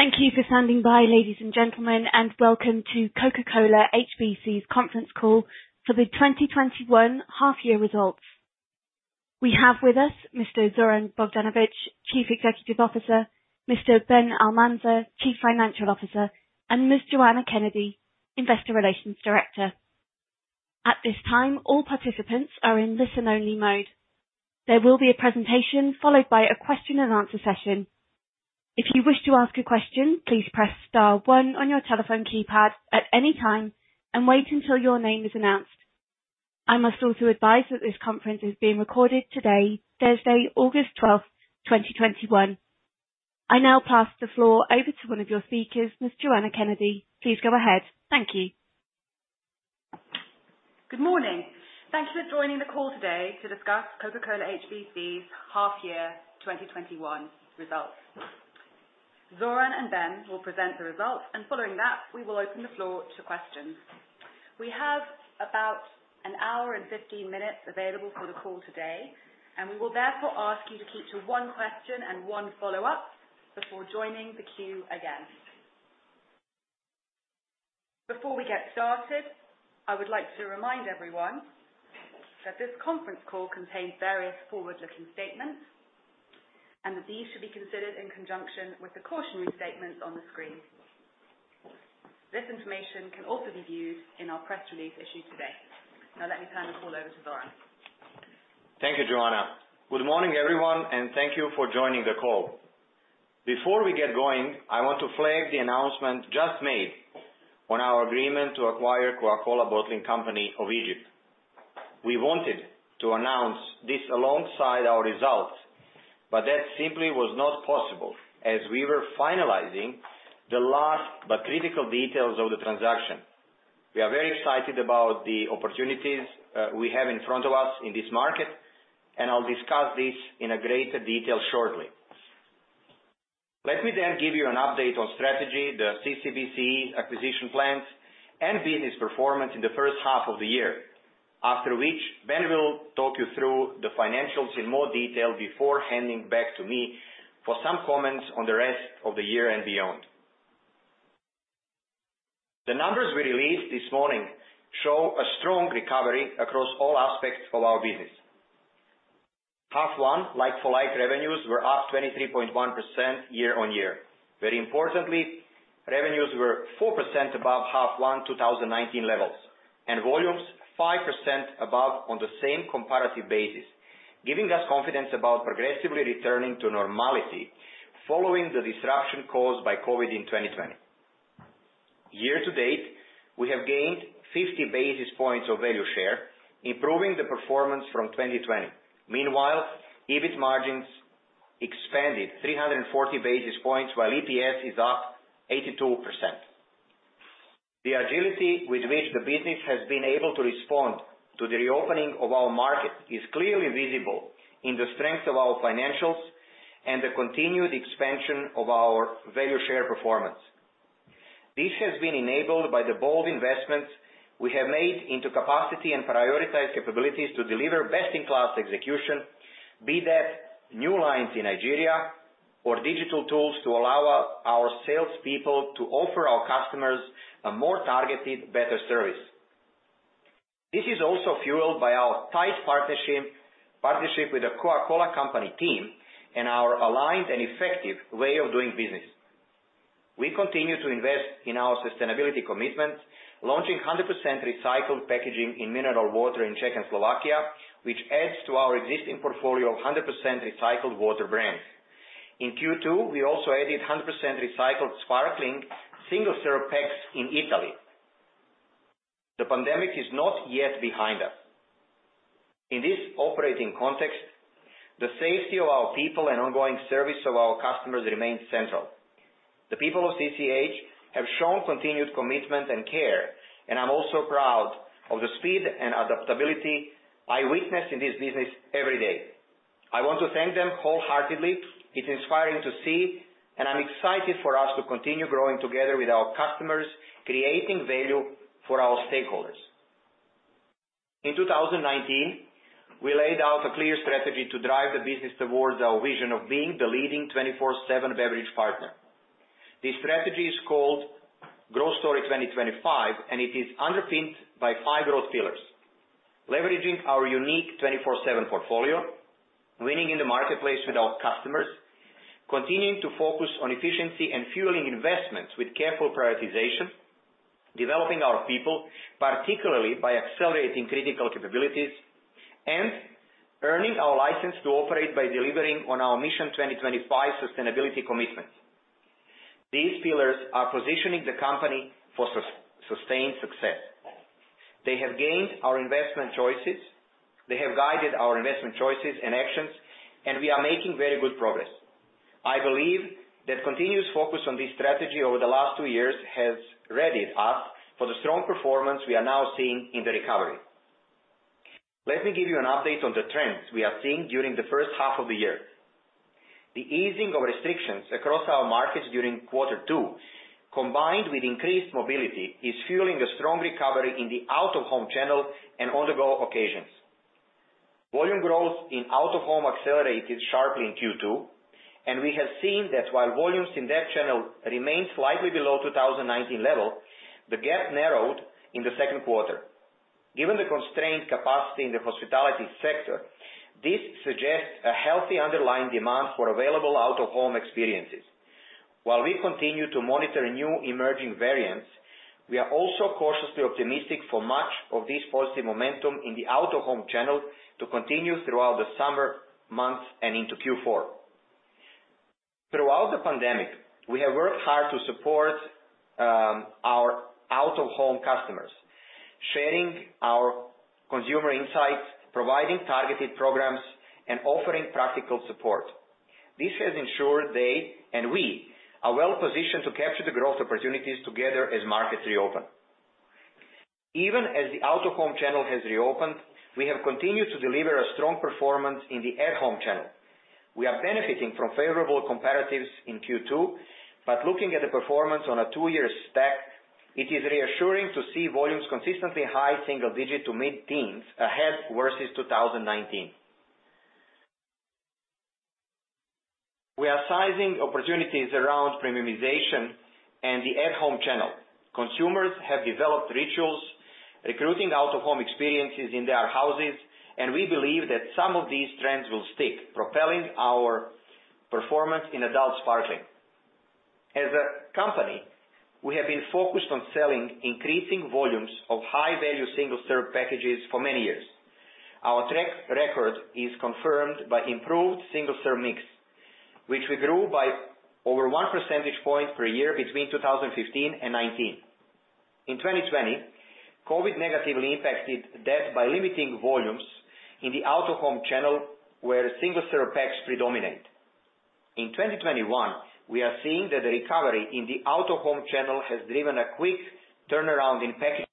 Thank you for standing by, ladies and gentlemen, and welcome to Coca-Cola HBC's conference call for the 2021 half-year results. We have with us Mr. Zoran Bogdanovic, Chief Executive Officer, Mr. Ben Almanzar, Chief Financial Officer, and Ms. Joanna Kennedy, Investor Relations Director. At this time, all participants are in listen-only mode. There will be a presentation followed by a question-and-answer session. If you wish to ask a question, please press star one on your telephone keypad at any time and wait until your name is announced. I must also advise that this conference is being recorded today, Thursday, August 12th, 2021. I now pass the floor over to one of your speakers, Ms. Joanna Kennedy. Please go ahead. Thank you. Good morning. Thank you for joining the call today to discuss Coca-Cola HBC's half-year 2021 results. Zoran and Ben will present the results, and following that, we will open the floor to questions. We have about one hour and 15 minutes available for the call today, and we will therefore ask you to keep to one question and one follow-up before joining the queue again. Before we get started, I would like to remind everyone that this conference call contains various forward-looking statements and that these should be considered in conjunction with the cautionary statements on the screen. This information can also be viewed in our press release issued today. Now, let me turn the call over to Zoran. Thank you, Joanna. Good morning, everyone, and thank you for joining the call. Before we get going, I want to flag the announcement just made on our agreement to acquire Coca-Cola Bottling Company of Egypt. We wanted to announce this alongside our results, but that simply was not possible as we were finalizing the last but critical details of the transaction. We are very excited about the opportunities we have in front of us in this market, and I'll discuss this in greater detail shortly. Let me then give you an update on strategy, the CCBCE acquisition plans, and business performance in the first half of the year, after which Ben will talk you through the financials in more detail before handing back to me for some comments on the rest of the year and beyond. The numbers we released this morning show a strong recovery across all aspects of our business. Half-one like-for-like revenues were up 23.1% year-on-year. Very importantly, revenues were 4% above half-one 2019 levels and volumes 5% above on the same comparative basis, giving us confidence about progressively returning to normality following the disruption caused by COVID in 2020. Year to date, we have gained 50 basis points of value share, improving the performance from 2020. Meanwhile, EBIT margins expanded 340 basis points, while EPS is up 82%. The agility with which the business has been able to respond to the reopening of our market is clearly visible in the strength of our financials and the continued expansion of our value share performance. This has been enabled by the bold investments we have made into capacity and prioritized capabilities to deliver best-in-class execution, be that new lines in Nigeria or digital tools to allow our salespeople to offer our customers a more targeted, better service. This is also fueled by our tight partnership with the Coca-Cola Company team and our aligned and effective way of doing business. We continue to invest in our sustainability commitment, launching 100% recycled packaging in mineral water in Czech and Slovakia, which adds to our existing portfolio of 100% recycled water brands. In Q2, we also added 100% recycled sparkling single-serve packs in Italy. The pandemic is not yet behind us. In this operating context, the safety of our people and ongoing service of our customers remain central. The people of CCH have shown continued commitment and care, and I'm also proud of the speed and adaptability I witness in this business every day. I want to thank them wholeheartedly. It's inspiring to see, and I'm excited for us to continue growing together with our customers, creating value for our stakeholders. In 2019, we laid out a clear strategy to drive the business towards our vision of being the leading 24/7 beverage partner. This strategy is called Growth Story 2025, and it is underpinned by five growth pillars: leveraging our unique 24/7 portfolio, winning in the marketplace with our customers, continuing to focus on efficiency, and fueling investments with careful prioritization, developing our people, particularly by accelerating critical capabilities, and earning our license to operate by delivering on our Mission 2025 sustainability commitments. These pillars are positioning the company for sustained success. They have guided our investment choices. They have guided our investment choices and actions, and we are making very good progress. I believe that continuous focus on this strategy over the last two years has readied us for the strong performance we are now seeing in the recovery. Let me give you an update on the trends we have seen during the first half of the year. The easing of restrictions across our markets during Q2, combined with increased mobility, is fueling a strong recovery in the out-of-home channel and on-the-go occasions. Volume growth in out-of-home accelerated sharply in Q2, and we have seen that while volumes in that channel remained slightly below 2019 level, the gap narrowed in the second quarter. Given the constrained capacity in the hospitality sector, this suggests a healthy underlying demand for available out-of-home experiences. While we continue to monitor new emerging variants, we are also cautiously optimistic for much of this positive momentum in the out-of-home channel to continue throughout the summer months and into Q4. Throughout the pandemic, we have worked hard to support our out-of-home customers, sharing our consumer insights, providing targeted programs, and offering practical support. This has ensured they and we are well positioned to capture the growth opportunities together as markets reopen. Even as the out-of-home channel has reopened, we have continued to deliver a strong performance in the at-home channel. We are benefiting from favorable comparatives in Q2, but looking at the performance on a two-year stack, it is reassuring to see volumes consistently high, single-digit to mid-teens ahead versus 2019. We are sizing opportunities around premiumization and the at-home channel. Consumers have developed rituals recreating out-of-home experiences in their houses, and we believe that some of these trends will stick, propelling our performance in adult sparkling. As a company, we have been focused on selling increasing volumes of high-value single-serve packages for many years. Our track record is confirmed by improved single-serve mix, which we grew by over one percentage point per year between 2015 and 2019. In 2020, COVID negatively impacted that by limiting volumes in the out-of-home channel, where single-serve packs predominate. In 2021, we are seeing that the recovery in the out-of-home channel has driven a quick turnaround in packaging.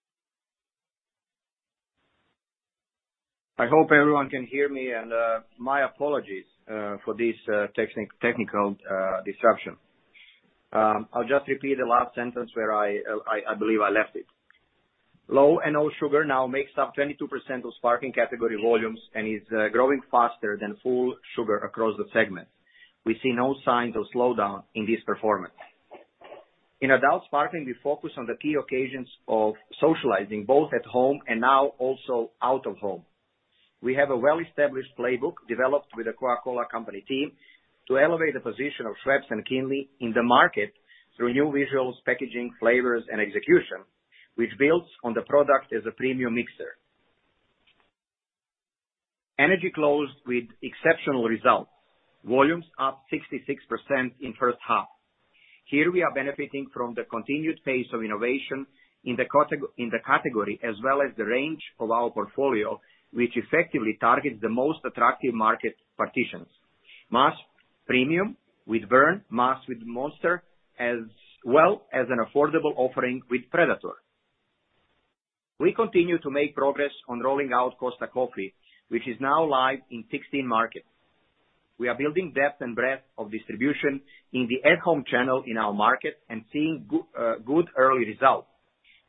I hope everyone can hear me, and my apologies for this technical disruption. I'll just repeat the last sentence where I believe I left it. Low and no sugar now makes up 22% of sparkling category volumes and is growing faster than full sugar across the segment. We see no signs of slowdown in this performance. In adult sparkling, we focus on the key occasions of socializing both at home and now also out of home. We have a well-established playbook developed with the Coca-Cola Company team to elevate the position of Schweppes and Kinley in the market through new visuals, packaging, flavors, and execution, which builds on the product as a premium mixer. Energy closed with exceptional results, volumes up 66% in the first half. Here we are benefiting from the continued pace of innovation in the category as well as the range of our portfolio, which effectively targets the most attractive market partitions: mass premium with Burn, mass with Monster, as well as an affordable offering with Predator. We continue to make progress on rolling out Costa Coffee, which is now live in 16 markets. We are building depth and breadth of distribution in the at-home channel in our market and seeing good early results,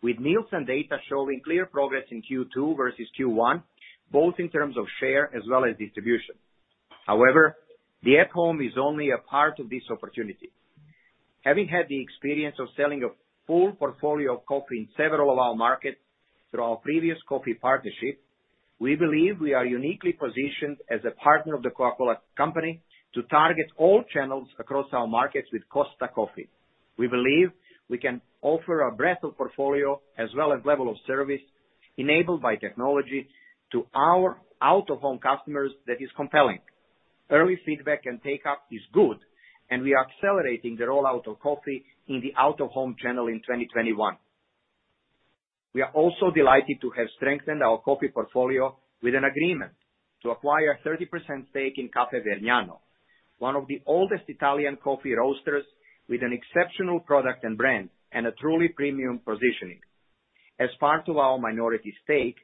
with Nielsen data showing clear progress in Q2 versus Q1, both in terms of share as well as distribution. However, the at-home is only a part of this opportunity. Having had the experience of selling a full portfolio of coffee in several of our markets through our previous coffee partnership, we believe we are uniquely positioned as a partner of the Coca-Cola Company to target all channels across our markets with Costa Coffee. We believe we can offer a breadth of portfolio as well as level of service enabled by technology to our out-of-home customers that is compelling. Early feedback and take-up is good, and we are accelerating the rollout of coffee in the out-of-home channel in 2021. We are also delighted to have strengthened our coffee portfolio with an agreement to acquire a 30% stake in Caffè Vergnano, one of the oldest Italian coffee roasters with an exceptional product and brand and a truly premium positioning. As part of our minority stake,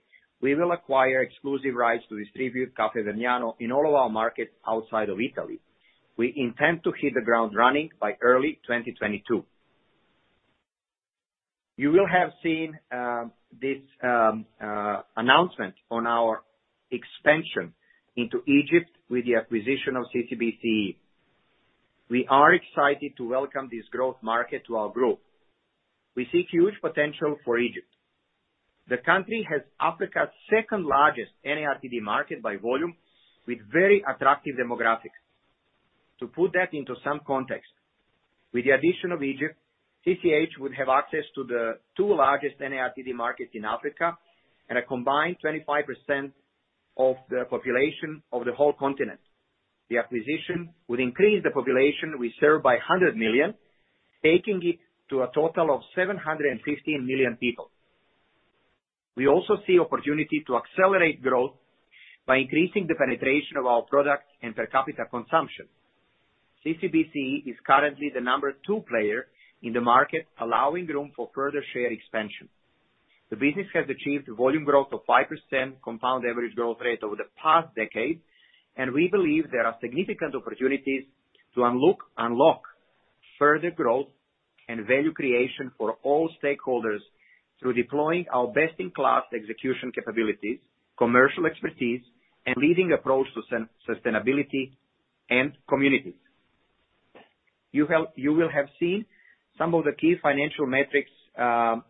we will acquire exclusive rights to distribute Caffè Vergnano in all of our markets outside of Italy. We intend to hit the ground running by early 2022. You will have seen this announcement on our expansion into Egypt with the acquisition of CCBCE. We are excited to welcome this growth market to our group. We see huge potential for Egypt. The country has Africa's second-largest NARTD market by volume with very attractive demographics. To put that into some context, with the addition of Egypt, CCH would have access to the two largest NARTD markets in Africa and a combined 25% of the population of the whole continent. The acquisition would increase the population we serve by 100 million, taking it to a total of 715 million people. We also see opportunity to accelerate growth by increasing the penetration of our product and per capita consumption. CCBCE is currently the number two player in the market, allowing room for further share expansion. The business has achieved volume growth of 5% compound average growth rate over the past decade, and we believe there are significant opportunities to unlock further growth and value creation for all stakeholders through deploying our best-in-class execution capabilities, commercial expertise, and leading approach to sustainability and communities. You will have seen some of the key financial metrics on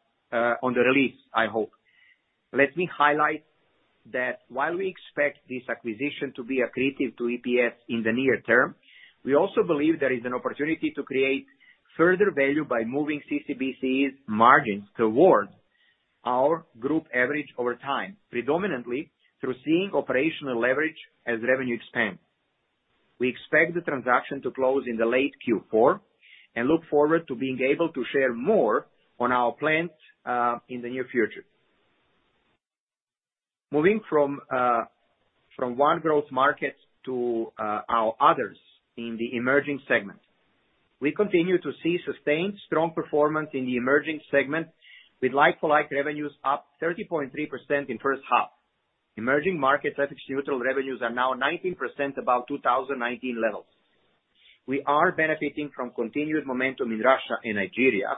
the release, I hope. Let me highlight that while we expect this acquisition to be accretive to EPS in the near term, we also believe there is an opportunity to create further value by moving CCBCE's margins towards our group average over time, predominantly through seeing operational leverage as revenue expands. We expect the transaction to close in the late Q4 and look forward to being able to share more on our plans in the near future. Moving from one growth market to our others in the emerging segment, we continue to see sustained strong performance in the emerging segment with like-for-like revenues up 30.3% in the first half. Emerging markets' FX-neutral revenues are now 19% above 2019 levels. We are benefiting from continued momentum in Russia and Nigeria,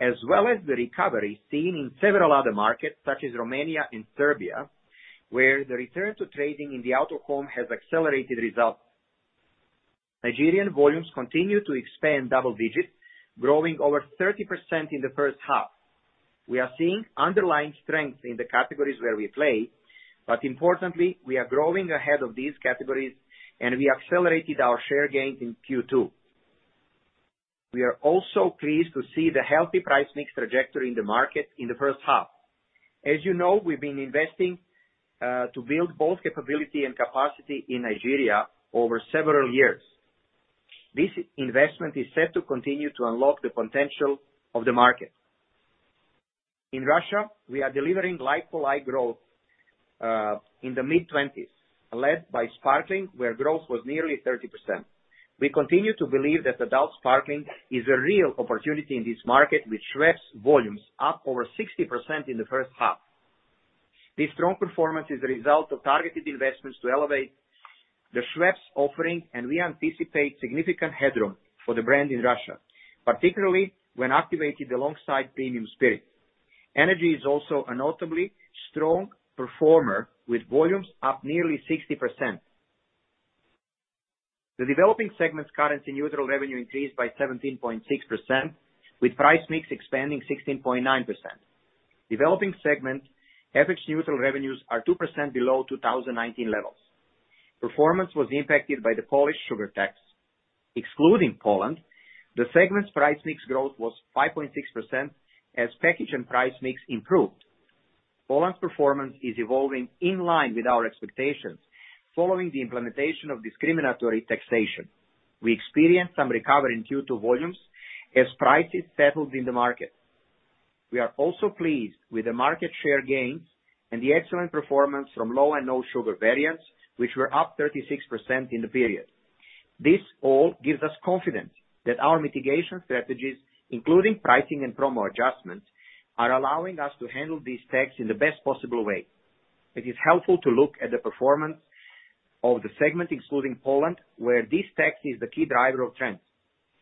as well as the recovery seen in several other markets such as Romania and Serbia, where the return to trading in the out-of-home has accelerated results. Nigerian volumes continue to expand double digits, growing over 30% in the first half. We are seeing underlying strength in the categories where we play, but importantly, we are growing ahead of these categories, and we accelerated our share gains in Q2. We are also pleased to see the healthy price mix trajectory in the market in the first half. As you know, we've been investing to build both capability and capacity in Nigeria over several years. This investment is set to continue to unlock the potential of the market. In Russia, we are delivering like-for-like growth in the mid-20s, led by sparkling, where growth was nearly 30%. We continue to believe that adult sparkling is a real opportunity in this market, with Schweppes volumes up over 60% in the first half. This strong performance is the result of targeted investments to elevate the Schweppes offering, and we anticipate significant headroom for the brand in Russia, particularly when activated alongside premium spirit. Energy is also a notably strong performer with volumes up nearly 60%. The developing segment's currency neutral revenue increased by 17.6%, with price mix expanding 16.9%. FX-neutral revenues are 2% below 2019 levels. Performance was impacted by the Polish sugar tax. Excluding Poland, the segment's price mix growth was 5.6% as package and price mix improved. Poland's performance is evolving in line with our expectations following the implementation of discriminatory taxation. We experienced some recovery in Q2 volumes as prices settled in the market. We are also pleased with the market share gains and the excellent performance from low and no sugar variants, which were up 36% in the period. This all gives us confidence that our mitigation strategies, including pricing and promo adjustments, are allowing us to handle these tax in the best possible way. It is helpful to look at the performance of the segment excluding Poland, where this tax is the key driver of trends.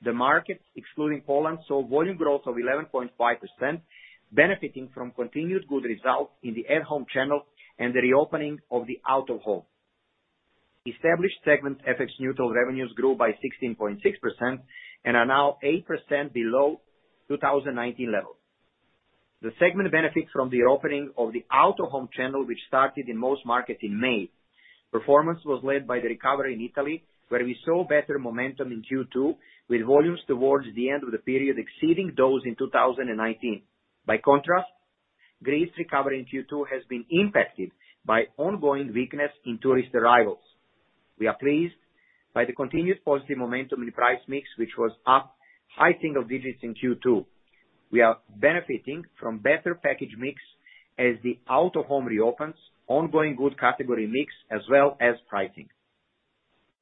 The markets excluding Poland saw volume growth of 11.5%, benefiting from continued good results in the at-home channel and the reopening of the out-of-home. Established segment FX-neutral revenues grew by 16.6% and are now 8% below 2019 levels. The segment benefits from the opening of the out-of-home channel, which started in most markets in May. Performance was led by the recovery in Italy, where we saw better momentum in Q2, with volumes towards the end of the period exceeding those in 2019. By contrast, Greece's recovery in Q2 has been impacted by ongoing weakness in tourist arrivals. We are pleased by the continued positive momentum in price mix, which was up high single digits in Q2. We are benefiting from better package mix as the out-of-home reopens, ongoing good category mix, as well as pricing.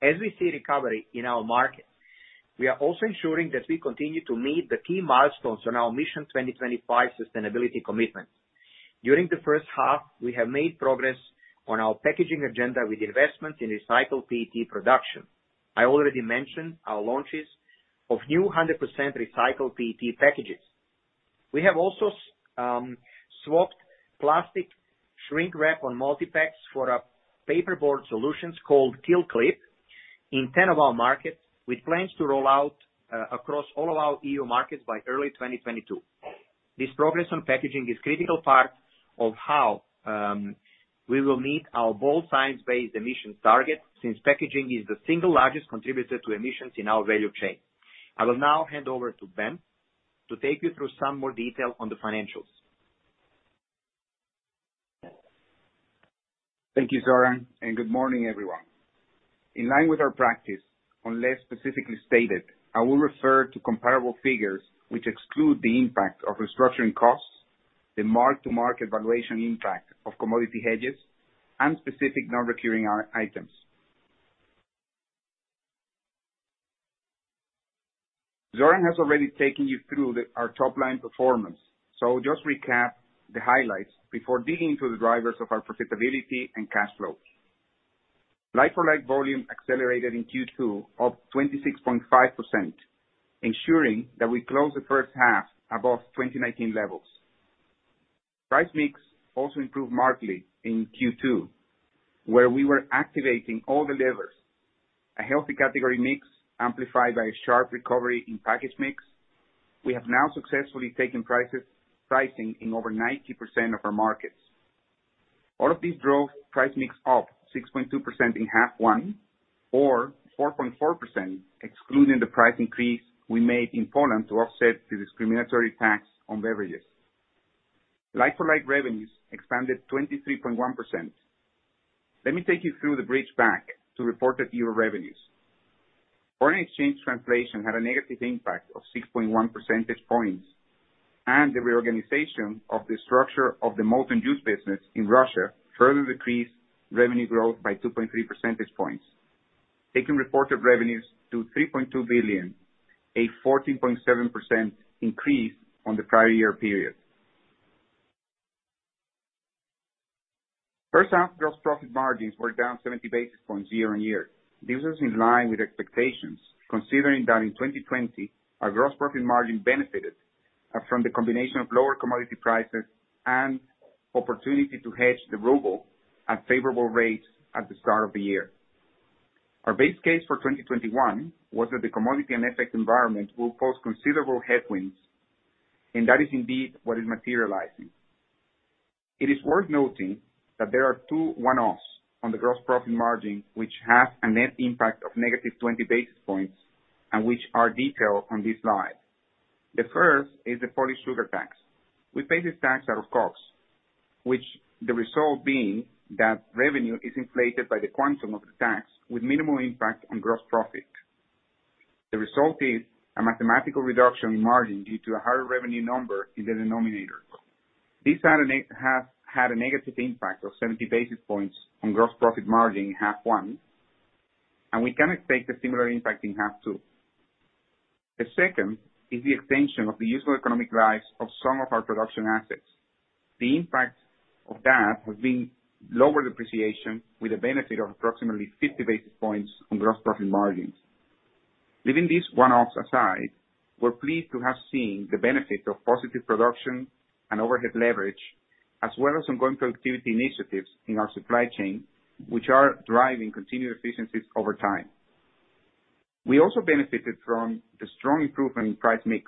As we see recovery in our market, we are also ensuring that we continue to meet the key milestones on our Mission 2025 sustainability commitment. During the first half, we have made progress on our packaging agenda with investments in recycled PET production. I already mentioned our launches of new 100% recycled PET packages. We have also swapped plastic shrink wrap on multi-packs for a paperboard solution called KeelClip in 10 of our markets, with plans to roll out across all of our EU markets by early 2022. This progress on packaging is a critical part of how we will meet our bold science-based emissions target since packaging is the single largest contributor to emissions in our value chain. I will now hand over to Ben to take you through some more detail on the financials. Thank you, Zoran, and good morning, everyone. In line with our practice, unless specifically stated, I will refer to comparable figures which exclude the impact of restructuring costs, the mark-to-market valuation impact of commodity hedges, and specific non-recurring items. Zoran has already taken you through our top-line performance, so I'll just recap the highlights before digging into the drivers of our profitability and cash flow. Like-for-like volume accelerated in Q2 up 26.5%, ensuring that we closed the first half above 2019 levels. Price mix also improved markedly in Q2, where we were activating all the levers. A healthy category mix amplified by a sharp recovery in package mix, we have now successfully taken pricing in over 90% of our markets. All of these drove price mix up 6.2% in half one, or 4.4% excluding the price increase we made in Poland to offset the discriminatory tax on beverages. Like-for-like revenues expanded 23.1%. Let me take you through the bridge back to reported EUR revenues. Foreign exchange translation had a negative impact of 6.1 percentage points, and the reorganization of the structure of the Multon juice business in Russia further decreased revenue growth by 2.3 percentage points, taking reported revenues to 3.2 billion, a 14.7% increase on the prior year period. First half gross profit margins were down 70 basis points year on year. This was in line with expectations, considering that in 2020, our gross profit margin benefited from the combination of lower commodity prices and opportunity to hedge the ruble at favorable rates at the start of the year. Our base case for 2021 was that the commodity and FX environment will pose considerable headwinds, and that is indeed what is materializing. It is worth noting that there are two one-offs on the gross profit margin which have a net impact of negative 20 basis points and which are detailed on this slide. The first is the Polish sugar tax. We pay this tax out of COGS, the result being that revenue is inflated by the quantum of the tax with minimal impact on gross profit. The result is a mathematical reduction in margin due to a higher revenue number in the denominator. This has had a negative impact of 70 basis points on gross profit margin in half one, and we can expect a similar impact in half two. The second is the extension of the useful economic lives of some of our production assets. The impact of that has been lower depreciation with a benefit of approximately 50 basis points on gross profit margins. Leaving these one-offs aside, we're pleased to have seen the benefit of positive production and overhead leverage, as well as ongoing productivity initiatives in our supply chain, which are driving continued efficiencies over time. We also benefited from the strong improvement in price mix,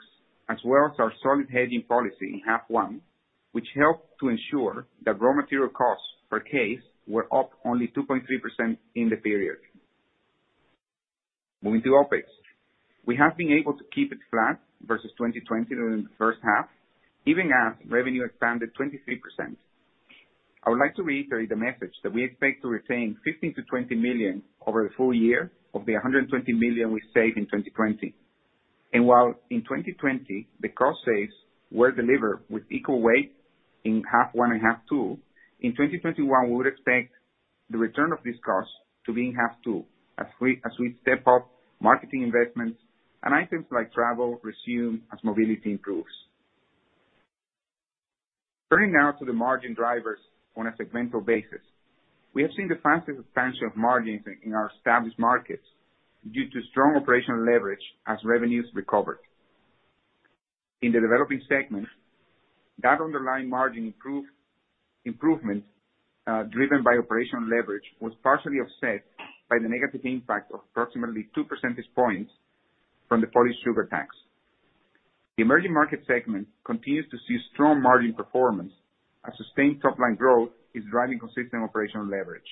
as well as our solid hedging policy in half one, which helped to ensure that raw material costs per case were up only 2.3% in the period. Moving to OPEX, we have been able to keep it flat versus 2020 during the first half, even as revenue expanded 23%. I would like to reiterate the message that we expect to retain 15-20 million over the full year of the 120 million we saved in 2020. While in 2020, the cost saves were delivered with equal weight in half one and half two. In 2021, we would expect the return of this cost to be in half two as we step up marketing investments and items like travel resume as mobility improves. Turning now to the margin drivers on a segmental basis, we have seen the fastest expansion of margins in our established markets due to strong operational leverage as revenues recovered. In the developing segment, that underlying margin improvement driven by operational leverage was partially offset by the negative impact of approximately 2 percentage points from the Polish sugar tax. The emerging market segment continues to see strong margin performance as sustained top-line growth is driving consistent operational leverage.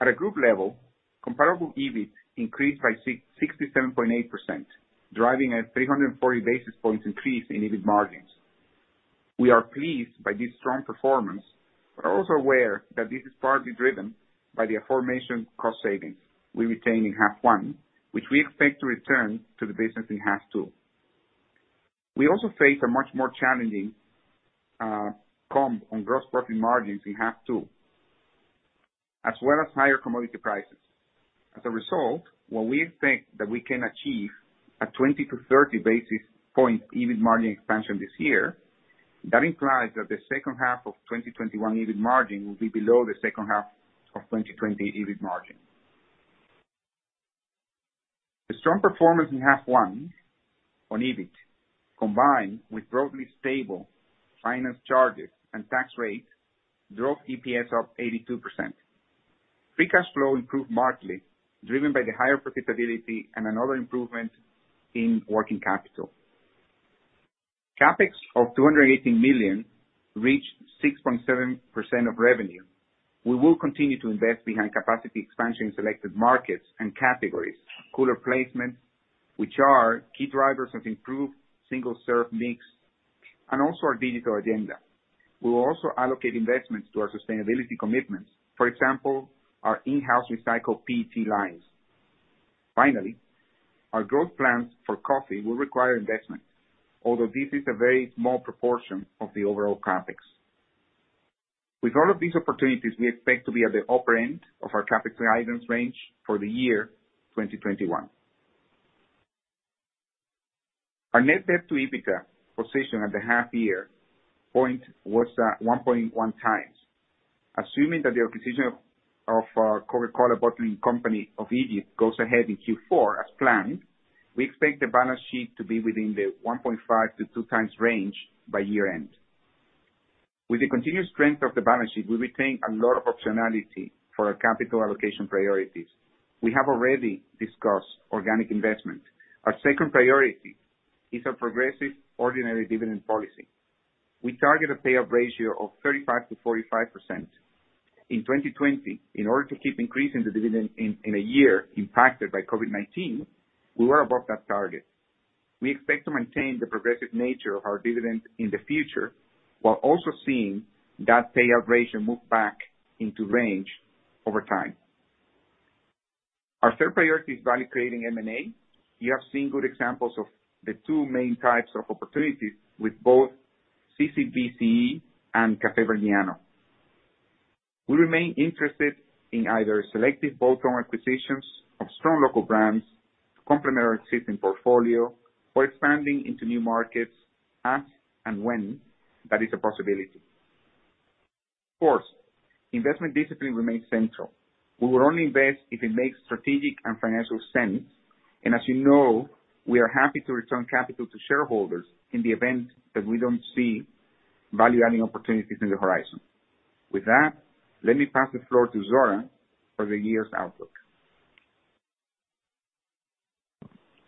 At a group level, comparable EBIT increased by 67.8%, driving a 340 basis points increase in EBIT margins. We are pleased by this strong performance, but are also aware that this is partly driven by the aforementioned cost savings we retained in half one, which we expect to return to the business in half two. We also face a much more challenging comp on gross profit margins in half two, as well as higher commodity prices. As a result, while we expect that we can achieve a 20-30 basis points EBIT margin expansion this year, that implies that the second half of 2021 EBIT margin will be below the second half of 2020 EBIT margin. The strong performance in half one on EBIT, combined with broadly stable finance charges and tax rate, drove EPS up 82%. Free cash flow improved markedly, driven by the higher profitability and another improvement in working capital. CapEx of 218 million reached 6.7% of revenue. We will continue to invest behind capacity expansion in selected markets and categories, cooler placements, which are key drivers of improved single-serve mix, and also our digital agenda. We will also allocate investments to our sustainability commitments, for example, our in-house recycled PET lines. Finally, our growth plans for coffee will require investment, although this is a very small proportion of the overall CapEx. With all of these opportunities, we expect to be at the upper end of our CapEx items range for the year 2021. Our net debt to EBITDA position at the half year point was 1.1 times. Assuming that the acquisition of Coca-Cola Bottling Company of Egypt goes ahead in Q4 as planned, we expect the balance sheet to be within the 1.5-2 times range by year-end. With the continued strength of the balance sheet, we retain a lot of optionality for our capital allocation priorities. We have already discussed organic investment. Our second priority is our progressive ordinary dividend policy. We target a payout ratio of 35%-45%. In 2020, in order to keep increasing the dividend in a year impacted by COVID-19, we were above that target. We expect to maintain the progressive nature of our dividend in the future while also seeing that payout ratio move back into range over time. Our third priority is value-creating M&A. You have seen good examples of the two main types of opportunities with both CCBCE and Caffè Vergnano. We remain interested in either selective bolt-on acquisitions of strong local brands to complement our existing portfolio or expanding into new markets as and when that is a possibility. Fourth, investment discipline remains central. We will only invest if it makes strategic and financial sense, and as you know, we are happy to return capital to shareholders in the event that we don't see value-adding opportunities in the horizon. With that, let me pass the floor to Zoran for the year's outlook.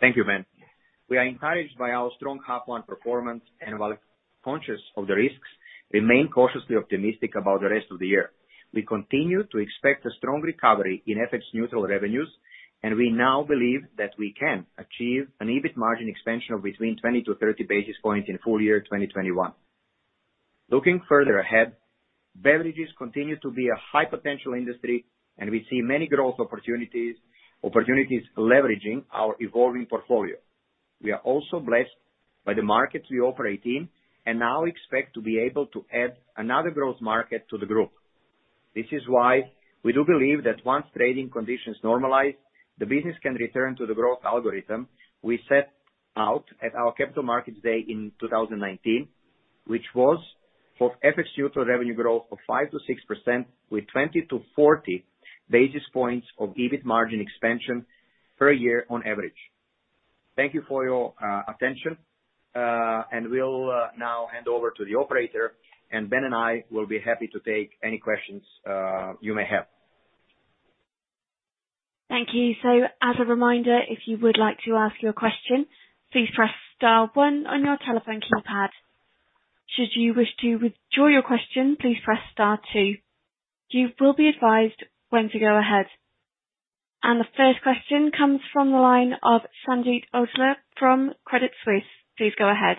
Thank you, Ben. We are encouraged by our strong first half performance and while conscious of the risks, remain cautiously optimistic about the rest of the year. We continue to expect a strong recovery in like-for-like revenues, and we now believe that we can achieve an EBIT margin expansion of between 20 to 30 basis points in full year 2021. Looking further ahead, beverages continue to be a high-potential industry, and we see many growth opportunities leveraging our evolving portfolio. We are also blessed by the markets we operate in and now expect to be able to add another growth market to the group. This is why we do believe that once trading conditions normalize, the business can return to the growth algorithm we set out at our Capital Markets Day in 2019, which was for FX-neutral revenue growth of 5%-6% with 20-40 basis points of EBIT margin expansion per year on average. Thank you for your attention, and we'll now hand over to the operator, and Ben and I will be happy to take any questions you may have. Thank you. So, as a reminder, if you would like to ask your question, please press star one on your telephone keypad. Should you wish to withdraw your question, please press star two. You will be advised when to go ahead. And the first question comes from the line of Sanjeet Aujla from Credit Suisse. Please go ahead.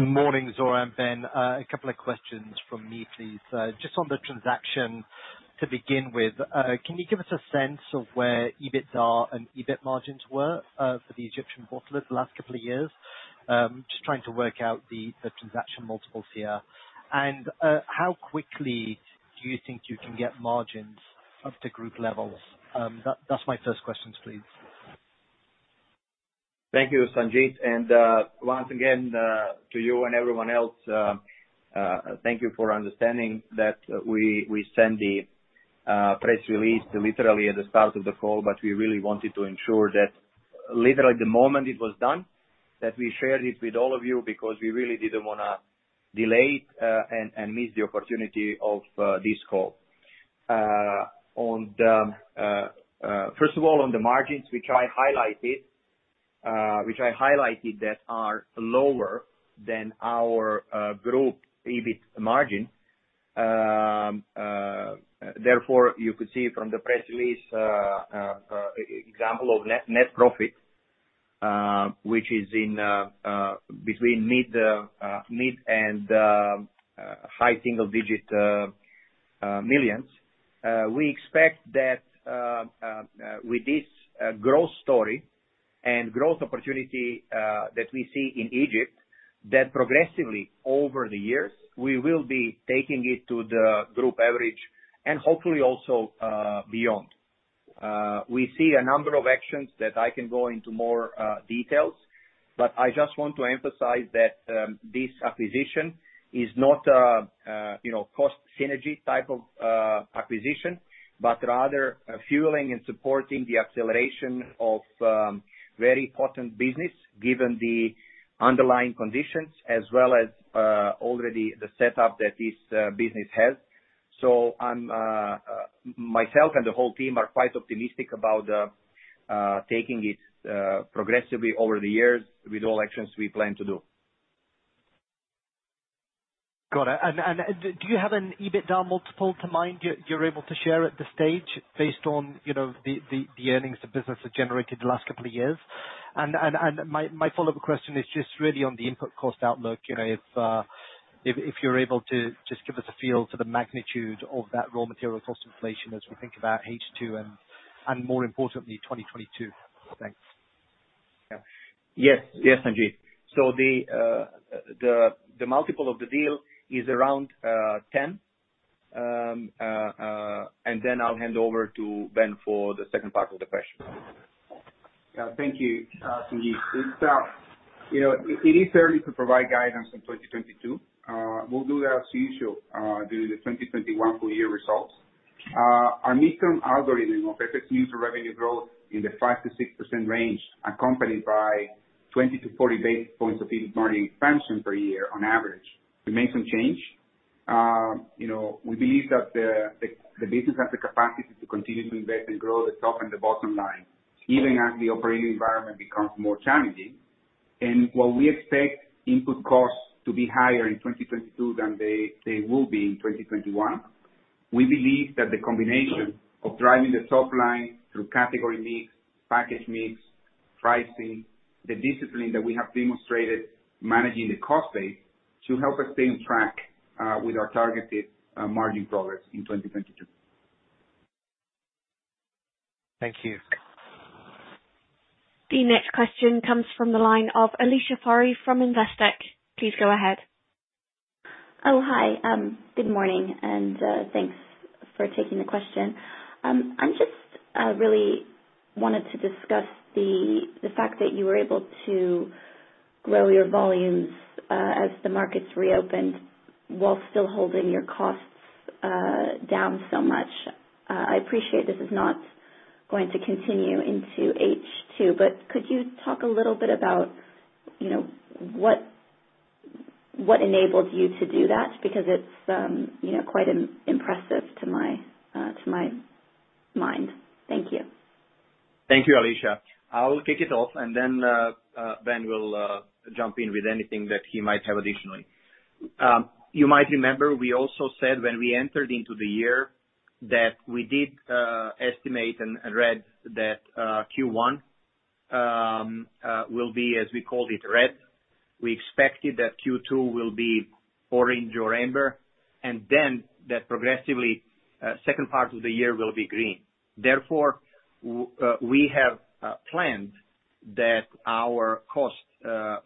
Morning, Zoran and Ben. A couple of questions from me, please. Just on the transaction, to begin with, can you give us a sense of where EBITDA and EBIT margins were for the Egyptian bottler the last couple of years? Just trying to work out the transaction multiples here. And how quickly do you think you can get margins up to group levels? That's my first question, please. Thank you, Sanjeet, and once again, to you and everyone else, thank you for understanding that we sent the press release literally at the start of the call, but we really wanted to ensure that literally the moment it was done, that we shared it with all of you because we really didn't want to delay and miss the opportunity of this call. First of all, on the margins, which I highlighted that are lower than our group EBIT margin. Therefore, you could see from the press release example of net profit, which is between mid and high single-digit millions. We expect that with this growth story and growth opportunity that we see in Egypt, that progressively over the years, we will be taking it to the group average and hopefully also beyond. We see a number of actions that I can go into more details, but I just want to emphasize that this acquisition is not a cost synergy type of acquisition, but rather fueling and supporting the acceleration of very potent business given the underlying conditions, as well as already the setup that this business has. So myself and the whole team are quite optimistic about taking it progressively over the years with all actions we plan to do. Got it. And do you have an EBITDA multiple in mind you're able to share at this stage based on the earnings the business has generated the last couple of years? And my follow-up question is just really on the input cost outlook. If you're able to just give us a feel for the magnitude of that raw material cost inflation as we think about H2 and more importantly, 2022? Thanks. Yes, yes, Sanjeet. So the multiple of the deal is around 10. And then I'll hand over to Ben for the second part of the question. Thank you, Sanjeet. It is early to provide guidance on 2022. We'll do that as usual during the 2021 full year results. Our mid-term ambition of organic revenue growth in the 5%-6% range, accompanied by 20-40 basis points of EBIT margin expansion per year on average, remains unchanged. We believe that the business has the capacity to continue to invest and grow the top and the bottom line, even as the operating environment becomes more challenging, and while we expect input costs to be higher in 2022 than they will be in 2021, we believe that the combination of driving the top line through category mix, package mix, pricing, the discipline that we have demonstrated managing the cost base should help us stay on track with our targeted margin progress in 2022. Thank you. The next question comes from the line of Alicia Forry from Investec. Please go ahead. Oh, hi. Good morning, and thanks for taking the question. I just really wanted to discuss the fact that you were able to grow your volumes as the markets reopened while still holding your costs down so much. I appreciate this is not going to continue into H2, but could you talk a little bit about what enabled you to do that? Because it's quite impressive to my mind. Thank you. Thank you, Alicia. I'll kick it off, and then Ben will jump in with anything that he might have additionally. You might remember we also said when we entered into the year that we did estimate and said that Q1 will be, as we called it, red. We expected that Q2 will be orange or amber, and then that progressively the second part of the year will be green. Therefore, we have planned that our costs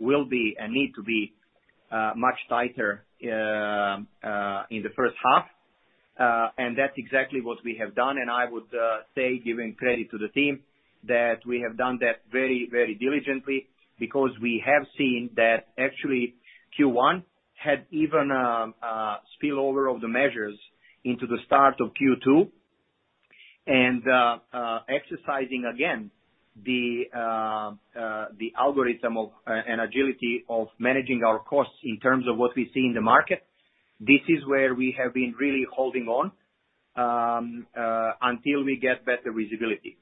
will be and need to be much tighter in the first half. And that's exactly what we have done. And I would say, giving credit to the team, that we have done that very, very diligently because we have seen that actually Q1 had even a spillover of the measures into the start of Q2. Exercising again the algorithm and agility of managing our costs in terms of what we see in the market, this is where we have been really holding on until we get better visibility.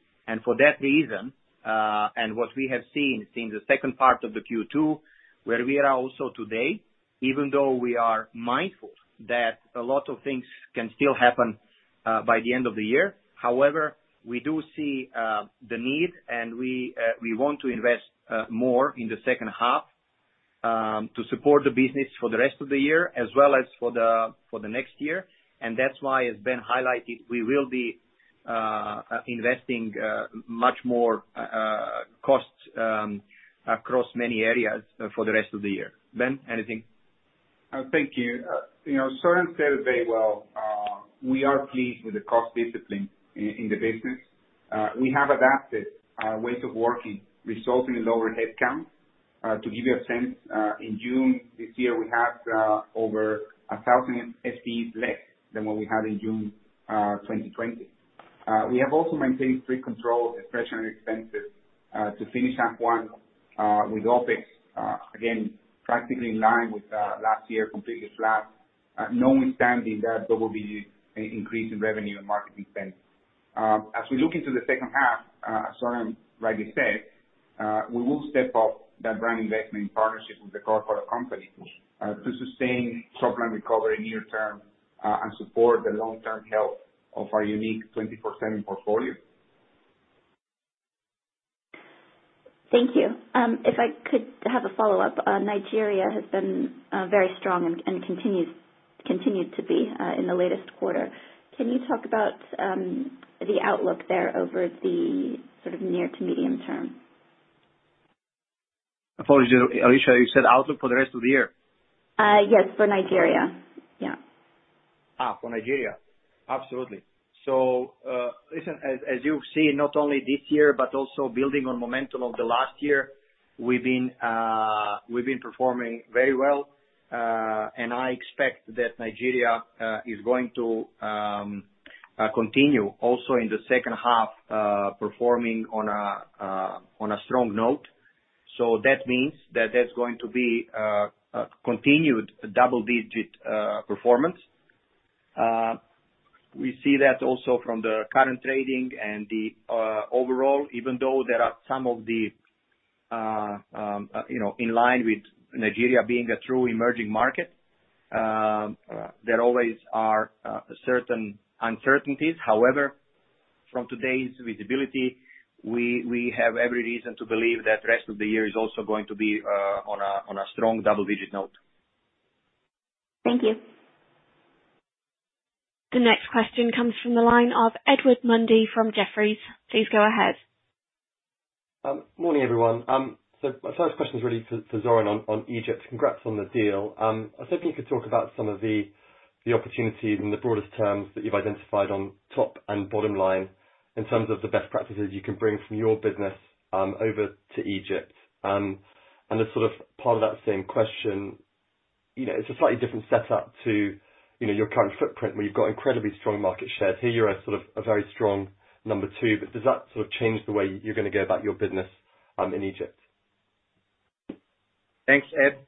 For that reason, and what we have seen since the second part of the Q2, where we are also today, even though we are mindful that a lot of things can still happen by the end of the year, however, we do see the need, and we want to invest more in the second half to support the business for the rest of the year, as well as for the next year. That's why, as Ben highlighted, we will be investing much more costs across many areas for the rest of the year. Ben, anything? Thank you. Zoran said it very well. We are pleased with the cost discipline in the business. We have adapted our ways of working, resulting in lower headcount. To give you a sense, in June this year, we had over 1,000 FTEs less than what we had in June 2020. We have also maintained strict control of inflationary expenses to finish half-one with OPEX, again, practically in line with last year, completely flat, notwithstanding that double-digit increase in revenue and marketing spend. As we look into the second half, as Zoran rightly said, we will step up that brand investment in partnership with the Coca-Cola Company to sustain top-line recovery near-term and support the long-term health of our unique 24/7 portfolio. Thank you. If I could have a follow-up, Nigeria has been very strong and continued to be in the latest quarter. Can you talk about the outlook there over the sort of near to medium term? Apologies. Alicia, you said outlook for the rest of the year? Yes, for Nigeria. Yeah. for Nigeria. Absolutely. So listen, as you see, not only this year, but also building on momentum of the last year, we've been performing very well. And I expect that Nigeria is going to continue also in the second half performing on a strong note. So that means that there's going to be continued double-digit performance. We see that also from the current trading and the overall, even though there are some of the in line with Nigeria being a true emerging market, there always are certain uncertainties. However, from today's visibility, we have every reason to believe that the rest of the year is also going to be on a strong double-digit note. Thank you. The next question comes from the line of Edward Mundy from Jefferies. Please go ahead. Morning, everyone. My first question is really for Zoran on Egypt. Congrats on the deal. I think you could talk about some of the opportunities in the broadest terms that you've identified on top and bottom line in terms of the best practices you can bring from your business over to Egypt. As sort of part of that same question, it's a slightly different setup to your current footprint where you've got incredibly strong market shares. Here you're at sort of a very strong number two. But does that sort of change the way you're going to go about your business in Egypt? Thanks, Ed.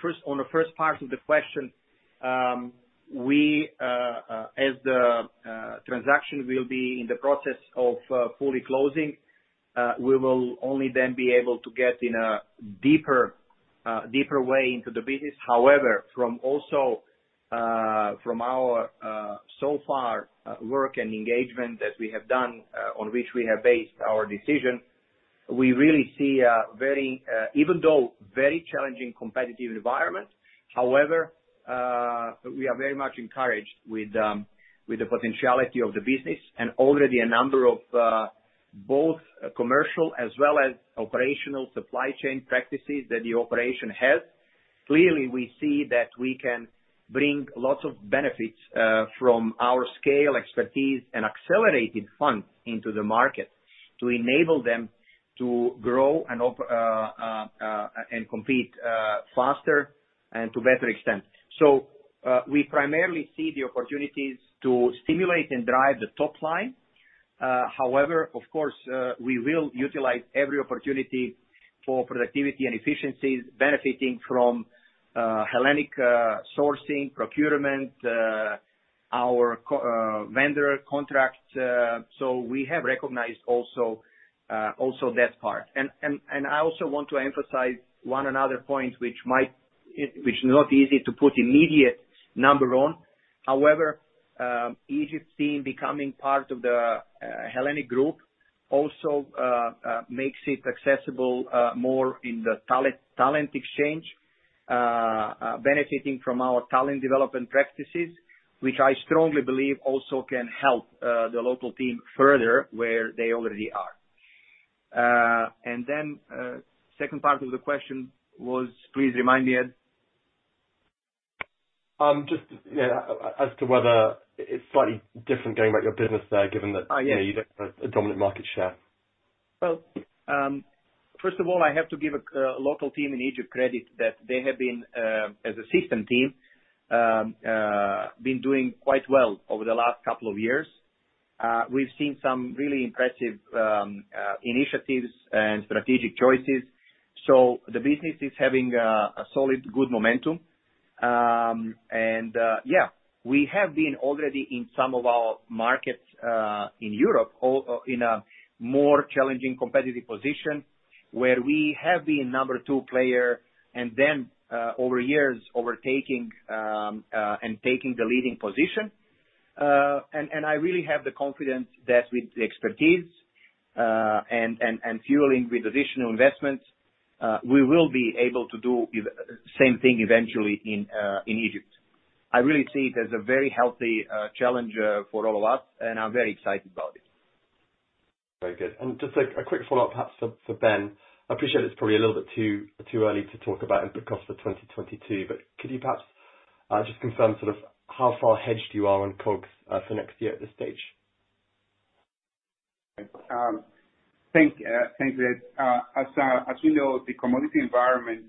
First, on the first part of the question, as the transaction will be in the process of fully closing, we will only then be able to get in a deeper way into the business. However, from our so far work and engagement that we have done, on which we have based our decision, we really see a very, even though very challenging competitive environment. However, we are very much encouraged with the potentiality of the business and already a number of both commercial as well as operational supply chain practices that the operation has. Clearly, we see that we can bring lots of benefits from our scale, expertise, and accelerated funds into the market to enable them to grow and compete faster and to better extent, so we primarily see the opportunities to stimulate and drive the top line. However, of course, we will utilize every opportunity for productivity and efficiencies, benefiting from Hellenic sourcing, procurement, our vendor contracts, so we have recognized also that part, and I also want to emphasize one another point, which is not easy to put immediate number on. However, Egypt's team becoming part of the Hellenic group also makes it accessible more in the talent exchange, benefiting from our talent development practices, which I strongly believe also can help the local team further where they already are, and then the second part of the question was, please remind me, Ed. Just as to whether it's slightly different going about your business there, given that you don't have a dominant market share? First of all, I have to give the local team in Egypt credit that they have been, as a system team, doing quite well over the last couple of years. We've seen some really impressive initiatives and strategic choices. The business is having a solid good momentum. Yeah, we have been already in some of our markets in Europe in a more challenging competitive position where we have been number two player and then over years overtaking and taking the leading position. I really have the confidence that with the expertise and fueling with additional investments, we will be able to do the same thing eventually in Egypt. I really see it as a very healthy challenge for all of us, and I'm very excited about it. Very good. And just a quick follow-up perhaps for Ben. I appreciate it's probably a little bit too early to talk about input costs for 2022, but could you perhaps just confirm sort of how far hedged you are on COGS for next year at this stage? Thank you, Ed. As you know, the commodity environment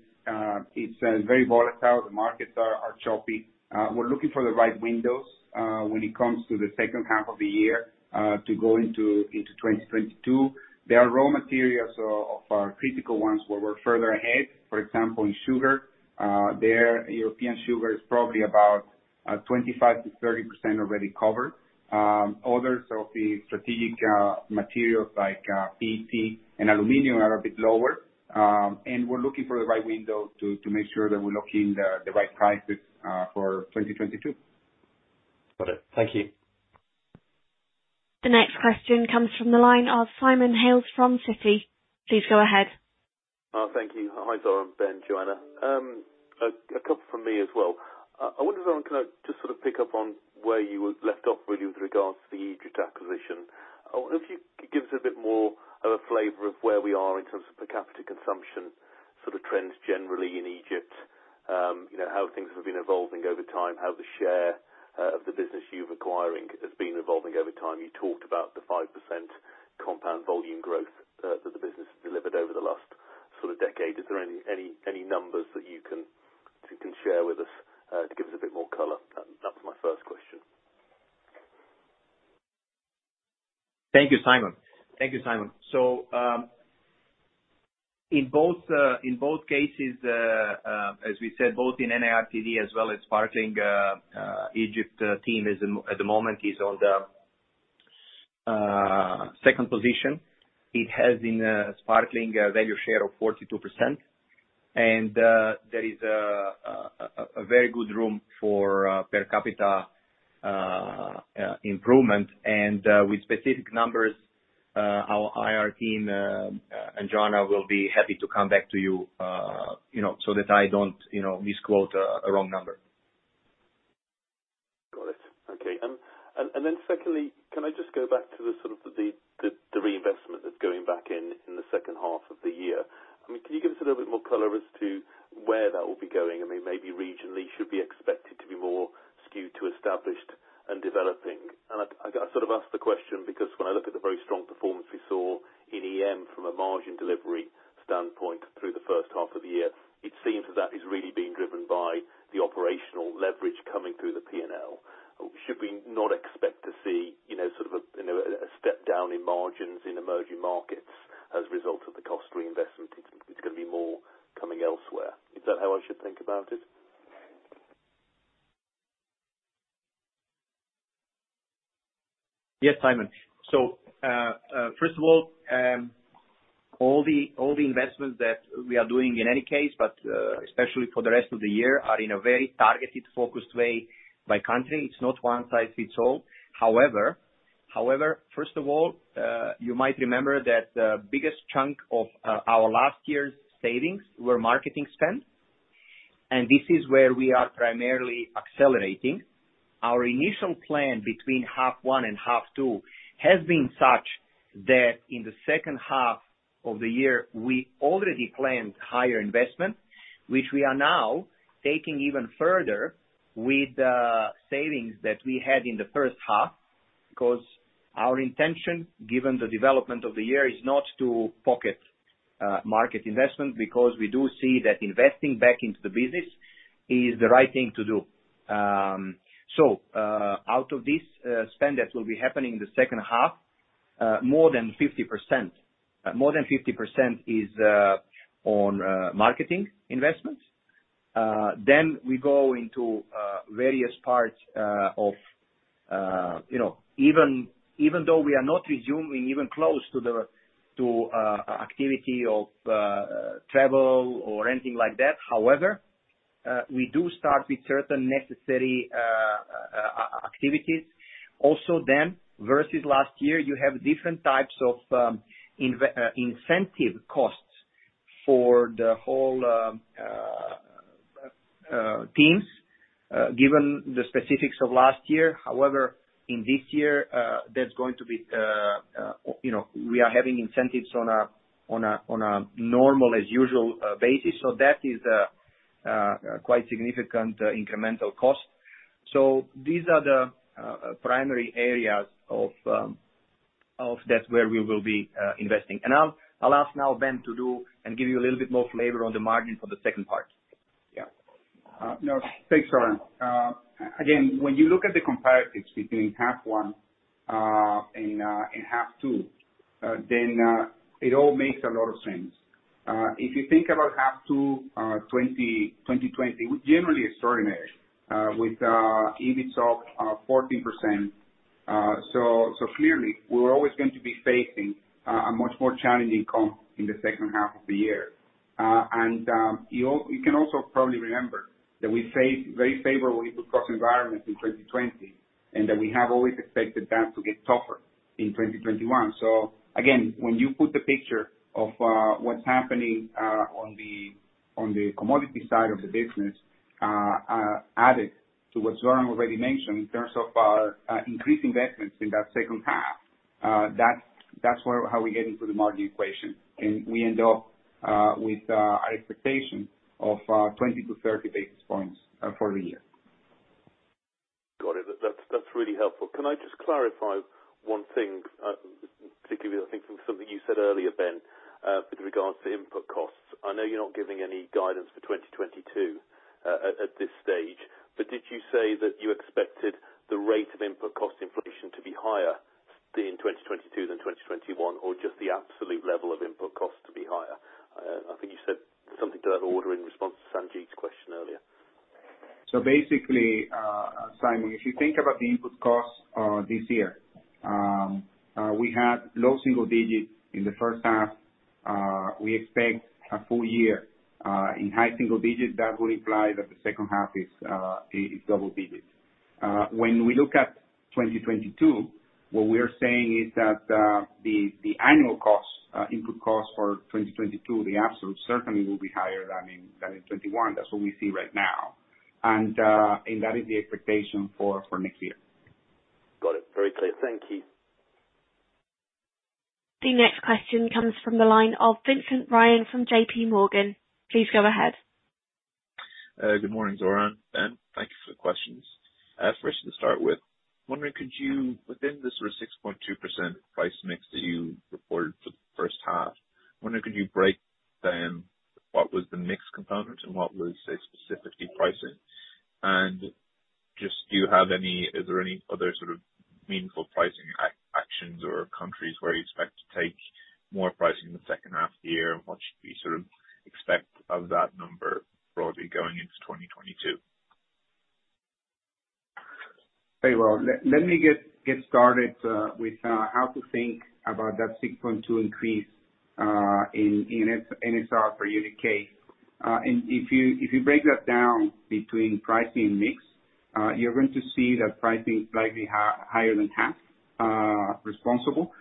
is very volatile. The markets are choppy. We're looking for the right windows when it comes to the second half of the year to go into 2022. There are raw materials of our critical ones where we're further ahead. For example, in sugar, the European sugar is probably about 25% to 30% already covered. Others of the strategic materials like PET and aluminum are a bit lower, and we're looking for the right window to make sure that we're locking the right prices for 2022. Got it. Thank you. The next question comes from the line of Simon Hales from Citi. Please go ahead. Thank you. Hi, Zoran. Ben, Joanna. A couple from me as well. I wonder if, Zoran, can I just sort of pick up on where you were left off really with regards to the Egypt acquisition? I wonder if you could give us a bit more of a flavor of where we are in terms of per capita consumption sort of trends generally in Egypt, how things have been evolving over time, how the share of the business you're acquiring has been evolving over time. You talked about the 5% compound volume growth that the business has delivered over the last sort of decade. Is there any numbers that you can share with us to give us a bit more color? That was my first question. Thank you, Simon. Thank you, Simon. So in both cases, as we said, both in NARTD as well as Sparkling, Egypt's team at the moment is on the second position. It has been a Sparkling value share of 42%. And there is a very good room for per capita improvement. And with specific numbers, our IR team and Joanna will be happy to come back to you so that I don't misquote a wrong number. Got it. Okay. And then secondly, can I just go back to the sort of the reinvestment that's going back in the second half of the year? I mean, can you give us a little bit more color as to where that will be going? I mean, maybe regionally should be expected to be more skewed to established and developing. And I sort of ask the question because when I look at the very strong performance we saw in EM from a margin delivery standpoint through the first half of the year, it seems that that is really being driven by the operational leverage coming through the P&L. Should we not expect to see sort of a step down in margins in emerging markets as a result of the cost reinvestment? It's going to be more coming elsewhere. Is that how I should think about it? Yes, Simon. So first of all, all the investments that we are doing in any case, but especially for the rest of the year, are in a very targeted, focused way by country. It's not one size fits all. However, first of all, you might remember that the biggest chunk of our last year's savings were marketing spend. And this is where we are primarily accelerating. Our initial plan between half one and half two has been such that in the second half of the year, we already planned higher investment, which we are now taking even further with the savings that we had in the first half because our intention, given the development of the year, is not to pocket market investment because we do see that investing back into the business is the right thing to do. Out of this spend that will be happening in the second half, more than 50% is on marketing investments. Then we go into various parts of even though we are not resuming even close to the activity of travel or anything like that, however, we do start with certain necessary activities. Also then, versus last year, you have different types of incentive costs for the whole teams given the specifics of last year. However, in this year, that's going to be we are having incentives on a normal as usual basis. So that is a quite significant incremental cost. So these are the primary areas of that where we will be investing. And I'll ask now Ben to do and give you a little bit more flavor on the margin for the second part. Yeah. No, thanks, Zoran. Again, when you look at the comparatives between half one and half two, then it all makes a lot of sense. If you think about half two 2020, we're generally extraordinary with EBITDA of 14%. So clearly, we're always going to be facing a much more challenging comp in the second half of the year. And you can also probably remember that we faced very favorable input cost environments in 2020 and that we have always expected that to get tougher in 2021. So again, when you put the picture of what's happening on the commodity side of the business, added to what Zoran already mentioned in terms of our increased investments in that second half, that's how we get into the margin equation. And we end up with our expectation of 20 to 30 basis points for the year. Got it. That's really helpful. Can I just clarify one thing, particularly with, I think, something you said earlier, Ben, with regards to input costs? I know you're not giving any guidance for 2022 at this stage, but did you say that you expected the rate of input cost inflation to be higher in 2022 than 2021, or just the absolute level of input costs to be higher? I think you said something to that order in response to Sanjeet's question earlier. Basically, Simon, if you think about the input costs this year, we had low single digits in the first half. We expect a full year in high single digits. That would imply that the second half is double digits. When we look at 2022, what we are saying is that the annual costs, input costs for 2022, absolutely certainly will be higher than in 2021. That's what we see right now, and that is the expectation for next year. Got it. Very clear. Thank you. The next question comes from the line of Fintan Ryan from JPMorgan. Please go ahead. Good morning, Zoran. Ben, thank you for the questions. First, to start with, I'm wondering could you, within the sort of 6.2% price mix that you reported for the first half, I'm wondering could you break down what was the mix component and what was specifically pricing? And just do you have any is there any other sort of meaningful pricing actions or countries where you expect to take more pricing in the second half of the year and what should we sort of expect of that number broadly going into 2022? Very well. Let me get started with how to think about that 6.2 increase in NSR for unit case. And if you break that down between pricing and mix, you're going to see that pricing is slightly higher than half, responsible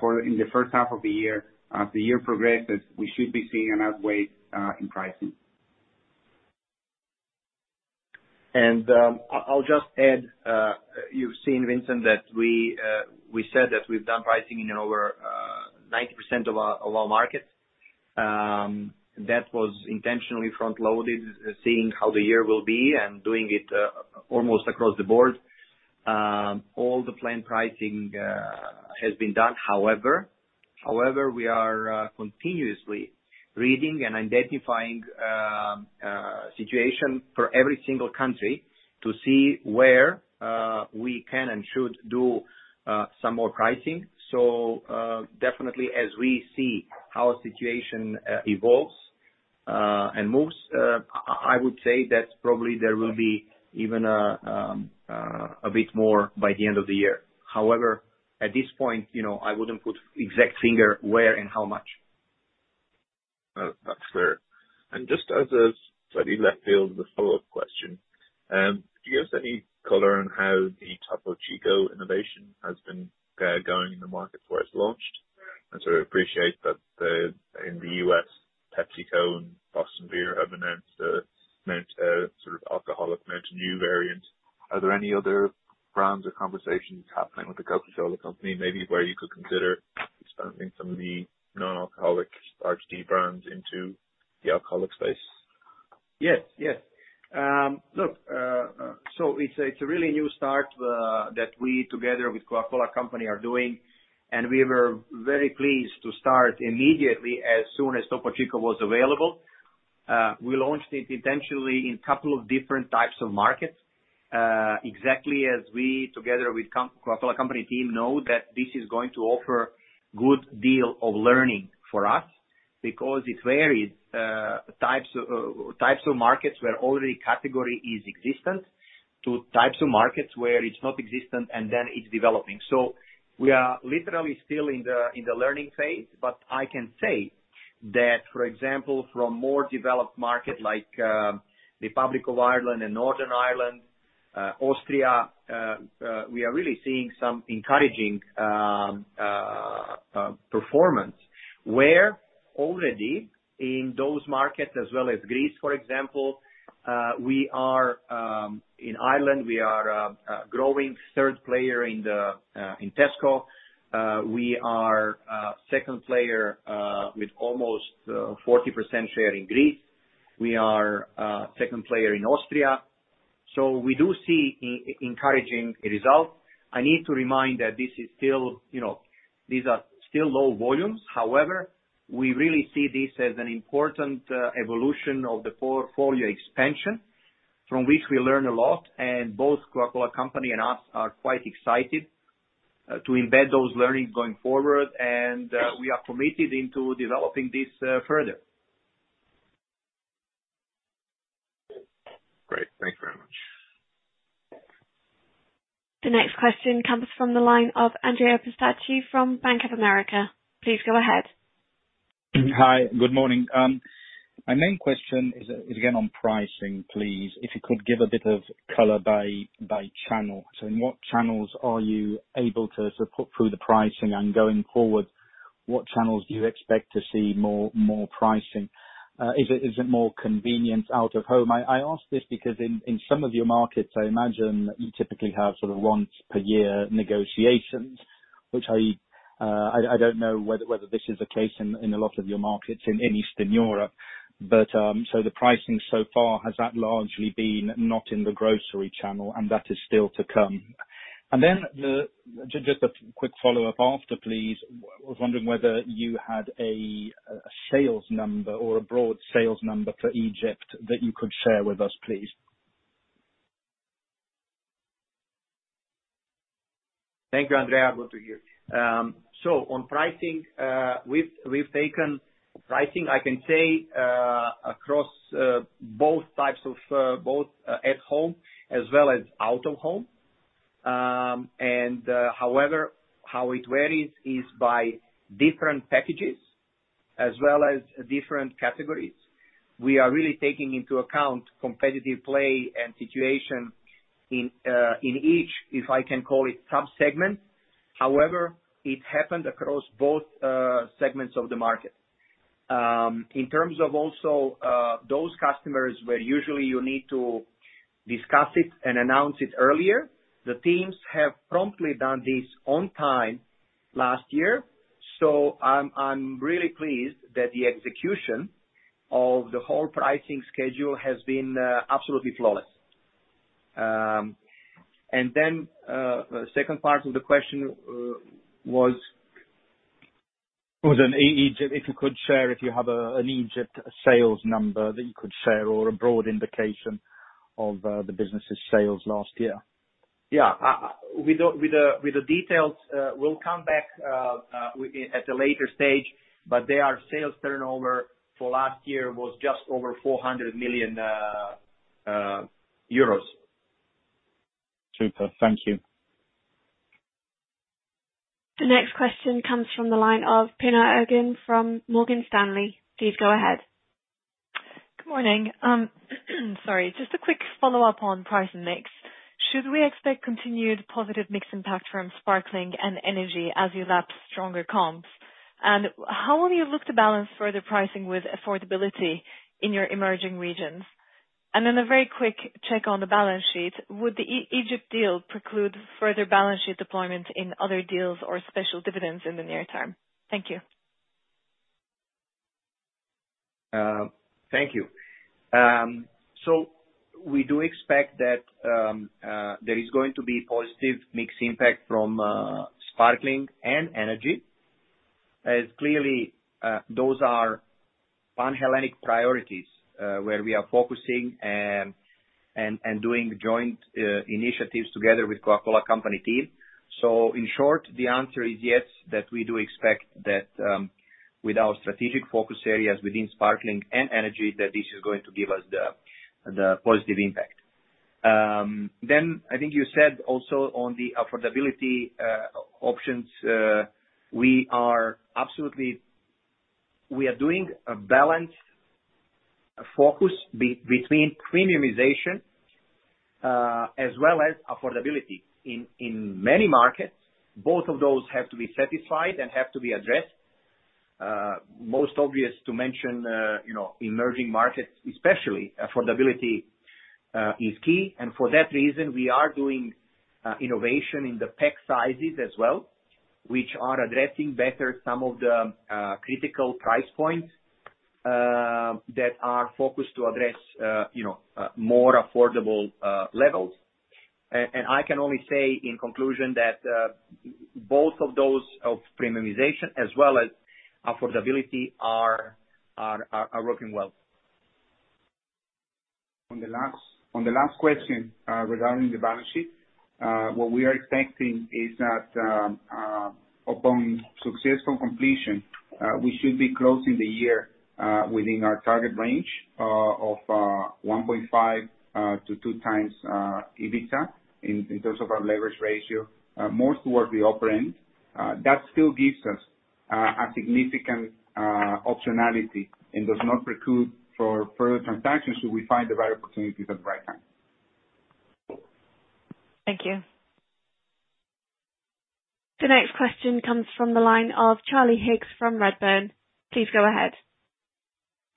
for in the first half of the year. As the year progresses, we should be seeing an outweigh in pricing. And I'll just add, you've seen, Fintan, that we said that we've done pricing in over 90% of our markets. That was intentionally front-loaded, seeing how the year will be and doing it almost across the board. All the planned pricing has been done. However, we are continuously reading and identifying a situation for every single country to see where we can and should do some more pricing. Definitely, as we see how the situation evolves and moves, I would say that probably there will be even a bit more by the end of the year. However, at this point, I wouldn't put an exact finger where and how much. That's clear. And just as a slightly left field, the follow-up question. Do you have any color on how the Topo Chico innovation has been going in the markets where it's launched? I sort of appreciate that in the US, PepsiCo and Boston Beer have announced a sort of alcoholic malt new variant. Are there any other brands or conversations happening with the Coca-Cola company maybe where you could consider expanding some of the non-alcoholic NARTD brands into the alcoholic space? Yes, yes. Look, so it's a really new start that we together with Coca-Cola Company are doing. And we were very pleased to start immediately as soon as Topo Chico was available. We launched it intentionally in a couple of different types of markets, exactly as we together with Coca-Cola Company team know that this is going to offer a good deal of learning for us because it varied types of markets where already category is existent to types of markets where it's not existent and then it's developing. So we are literally still in the learning phase, but I can say that, for example, from more developed markets like the Republic of Ireland and Northern Ireland, Austria, we are really seeing some encouraging performance where already in those markets as well as Greece, for example, we are in Ireland, we are a growing third player in Tesco. We are a second player with almost 40% share in Greece. We are a second player in Austria. So we do see encouraging results. I need to remind that this is still low volumes. However, we really see this as an important evolution of the portfolio expansion from which we learn a lot. And both Coca-Cola Company and us are quite excited to embed those learnings going forward. And we are committed into developing this further. Great. Thanks very much. The next question comes from the line of Andrea Pistacchi from Bank of America. Please go ahead. Hi, good morning. My main question is again on pricing, please, if you could give a bit of color by channel. So in what channels are you able to put through the pricing? And going forward, what channels do you expect to see more pricing? Is it more convenient out of home? I ask this because in some of your markets, I imagine you typically have sort of once-per-year negotiations, which I don't know whether this is the case in a lot of your markets in Eastern Europe. But so the pricing so far, has that largely been not in the grocery channel, and that is still to come? And then just a quick follow-up after, please. I was wondering whether you had a sales number or a broad sales number for Egypt that you could share with us, please. Thank you, Andrea. I'll go through here. So on pricing, we've taken pricing, I can say, across both types of both at home as well as out of home. And however, how it varies is by different packages as well as different categories. We are really taking into account competitive play and situation in each, if I can call it, sub-segment. However, it happened across both segments of the market. In terms of also those customers where usually you need to discuss it and announce it earlier, the teams have promptly done this on time last year. So I'm really pleased that the execution of the whole pricing schedule has been absolutely flawless. And then the second part of the question was. Was in Egypt. If you could share if you have an Egypt sales number that you could share or a broad indication of the business's sales last year? Yeah. With the details, we'll come back at a later stage, but their sales turnover for last year was just over 400 million euros. Super. Thank you. The next question comes from the line of Pinar Ergun from Morgan Stanley. Please go ahead. Good morning. Sorry. Just a quick follow-up on price and mix. Should we expect continued positive mix impact from sparkling and energy as you lapse stronger comps, and how will you look to balance further pricing with affordability in your emerging regions, and then a very quick check on the balance sheet. Would the Egypt deal preclude further balance sheet deployment in other deals or special dividends in the near term? Thank you. Thank you. We do expect that there is going to be positive mix impact from sparkling and energy as clearly those are pan-Hellenic priorities where we are focusing and doing joint initiatives together with Coca-Cola Company team. In short, the answer is yes, that we do expect that with our strategic focus areas within sparkling and energy that this is going to give us the positive impact. I think you said also on the affordability options. We are absolutely doing a balanced focus between premiumization as well as affordability in many markets. Both of those have to be satisfied and have to be addressed. Most obvious to mention, emerging markets, especially affordability is key. For that reason, we are doing innovation in the pack sizes as well, which are addressing better some of the critical price points that are focused to address more affordable levels. I can only say in conclusion that both of those of premiumization as well as affordability are working well. On the last question regarding the balance sheet, what we are expecting is that upon successful completion, we should be closing the year within our target range of 1.5-2 times EBITDA in terms of our leverage ratio, more towards the upper end. That still gives us a significant optionality and does not preclude for further transactions should we find the right opportunity at the right time. Thank you. The next question comes from the line of Charlie Higgs from Redburn. Please go ahead.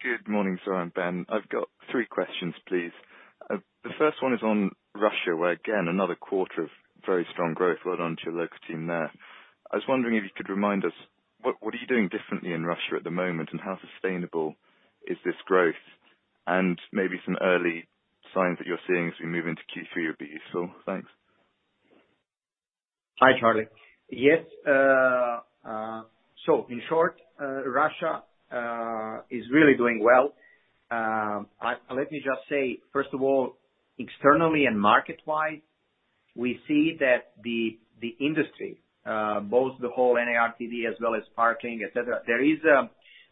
Good morning, Zoran, Ben. I've got three questions, please. The first one is on Russia, where, again, another quarter of very strong growth. Well done to your local team there. I was wondering if you could remind us, what are you doing differently in Russia at the moment, and how sustainable is this growth? And maybe some early signs that you're seeing as we move into Q3 would be useful. Thanks. Hi, Charlie. Yes. So in short, Russia is really doing well. Let me just say, first of all, externally and market-wise, we see that the industry, both the whole NARTD as well as sparkling, etc.,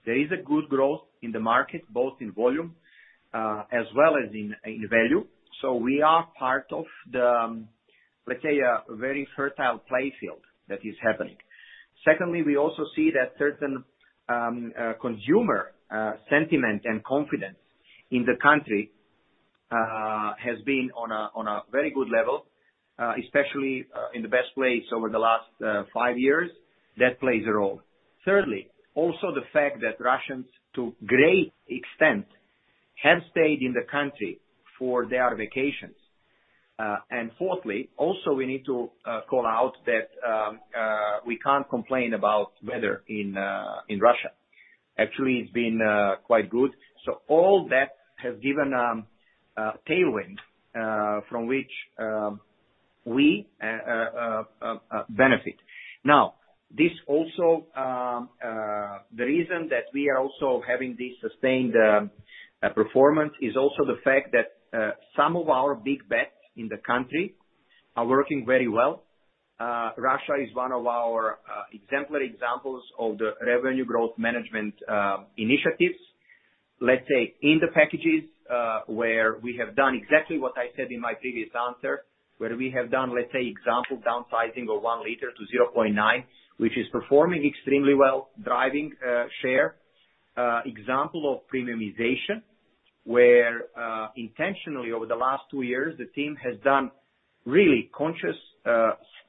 there is a good growth in the market, both in volume as well as in value. So we are part of the, let's say, a very fertile playing field that is happening. Secondly, we also see that certain consumer sentiment and confidence in the country has been on a very good level, especially in the best ways over the last five years. That plays a role. Thirdly, also the fact that Russians, to a great extent, have stayed in the country for their vacations. And fourthly, also we need to call out that we can't complain about weather in Russia. Actually, it's been quite good. So all that has given tailwind from which we benefit. Now, this also the reason that we are also having this sustained performance is also the fact that some of our big bets in the country are working very well. Russia is one of our exemplary examples of the revenue growth management initiatives, let's say, in the packages where we have done exactly what I said in my previous answer, where we have done, let's say, example downsizing of 1 L - 0.9L, which is performing extremely well, driving share. Example of premiumization where intentionally over the last two years, the team has done really conscious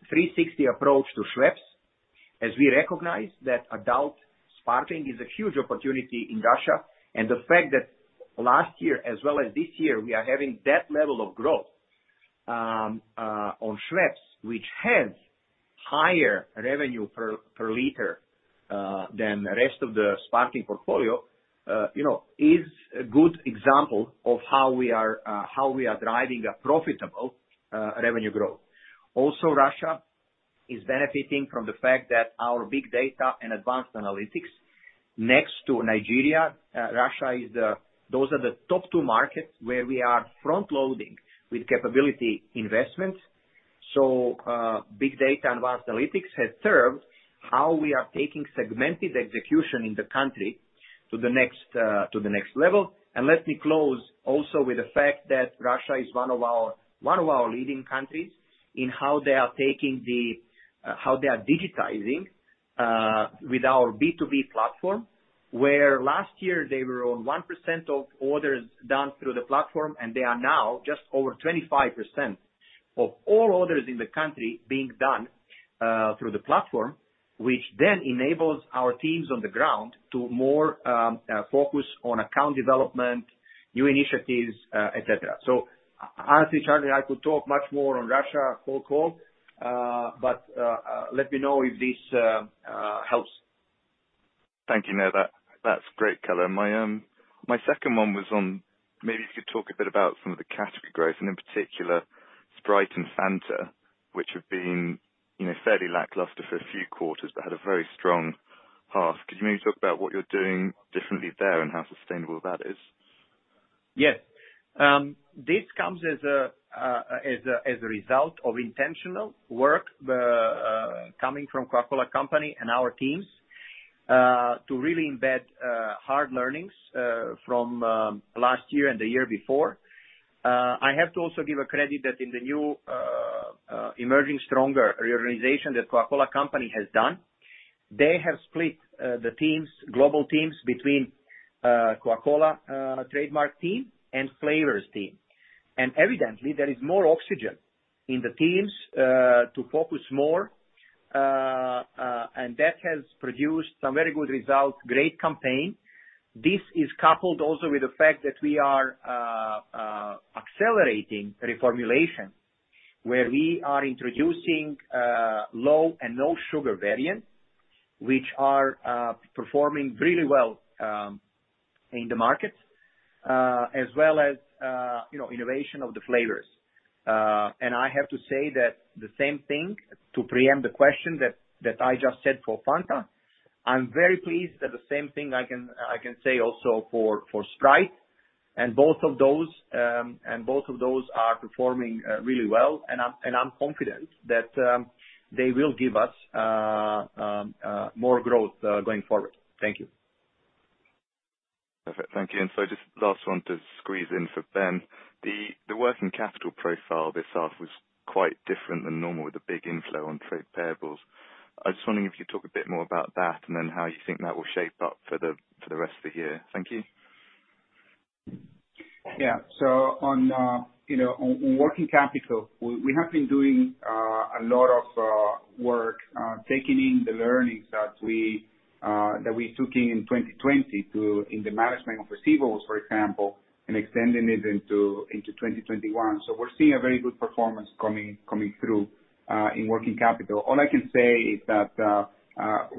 360 approach to Schweppes, as we recognize that adult sparkling is a huge opportunity in Russia. The fact that last year as well as this year, we are having that level of growth on Schweppes, which has higher revenue per liter than the rest of the sparkling portfolio, is a good example of how we are driving a profitable revenue growth. Also, Russia is benefiting from the fact that our big data and advanced analytics next to Nigeria, those are the top two markets where we are front-loading with capability investments. Big data and advanced analytics have served how we are taking segmented execution in the country to the next level. Let me close also with the fact that Russia is one of our leading countries in how they are digitizing with our B2B platform, where last year they were on 1% of orders done through the platform, and they are now just over 25% of all orders in the country being done through the platform, which then enables our teams on the ground to more focus on account development, new initiatives, etc. Honestly, Charlie, I could talk much more on Russia the whole call, but let me know if this helps. Thank you, Zoran. That's great color. My second one was on maybe if you could talk a bit about some of the category growth, and in particular, Sprite and Fanta, which have been fairly lackluster for a few quarters but had a very strong half. Could you maybe talk about what you're doing differently there and how sustainable that is? Yes. This comes as a result of intentional work coming from Coca-Cola Company and our teams to really embed hard learnings from last year and the year before. I have to also give a credit that in the new Emerging Stronger reorganization that Coca-Cola Company has done, they have split the teams, global teams, between Coca-Cola Trademark team and flavors team, and evidently, there is more oxygen in the teams to focus more, and that has produced some very good results, great campaign. This is coupled also with the fact that we are accelerating reformulation where we are introducing low and no sugar variants, which are performing really well in the market, as well as innovation of the flavors, and I have to say that the same thing to preempt the question that I just said for Fanta. I'm very pleased that the same thing I can say also for Sprite. Both of those are performing really well, and I'm confident that they will give us more growth going forward. Thank you. Perfect. Thank you. And so just last one to squeeze in for Ben. The working capital profile this half was quite different than normal with the big inflow on trade payables. I just wonder if you could talk a bit more about that and then how you think that will shape up for the rest of the year? Thank you. Yeah. So on working capital, we have been doing a lot of work taking in the learnings that we took in 2020 in the management of receivables, for example, and extending it into 2021. So we're seeing a very good performance coming through in working capital. All I can say is that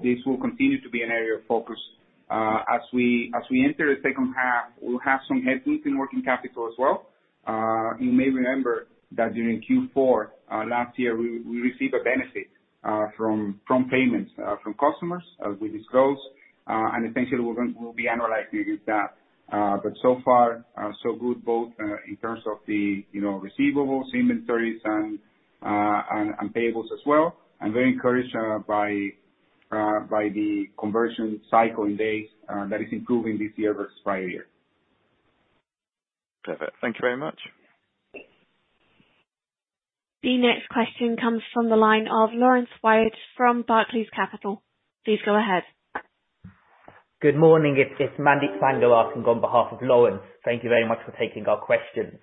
this will continue to be an area of focus. As we enter the second half, we'll have some headwinds in working capital as well. You may remember that during Q4 last year, we received a benefit from payments from customers, as we disclosed, and essentially we'll be annualizing that. But so far, so good both in terms of the receivables, inventories, and payables as well. I'm very encouraged by the cash conversion cycle in days that is improving this year versus prior year. Perfect. Thank you very much. The next question comes from the line of Laurence Whyatt from Barclays Capital. Please go ahead. Good morning. It's Mandeep Sangha on behalf of Laurence Whyatt. Thank you very much for taking our question.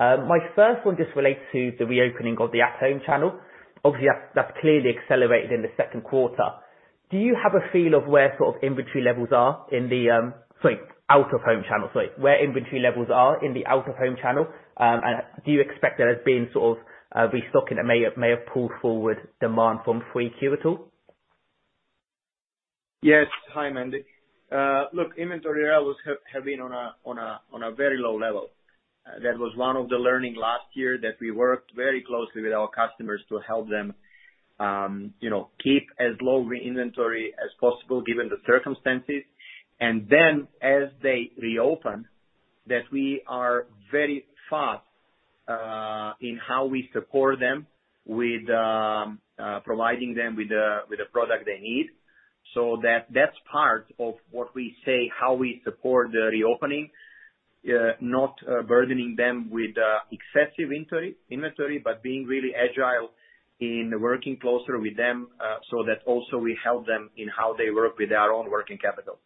My first one just relates to the reopening of the at-home channel. Obviously, that's clearly accelerated in the second quarter. Do you have a feel of where sort of inventory levels are in the out-of-home channel? And do you expect there has been sort of restocking that may have pulled forward demand from 3Q at all? Yes. Hi, Mandeep. Look, inventory levels have been on a very low level. That was one of the learnings last year that we worked very closely with our customers to help them keep as low inventory as possible given the circumstances. And then as they reopen, that we are very fast in how we support them with providing them with the product they need. So that's part of what we say, how we support the reopening, not burdening them with excessive inventory, but being really agile in working closer with them so that also we help them in how they work with their own working capital.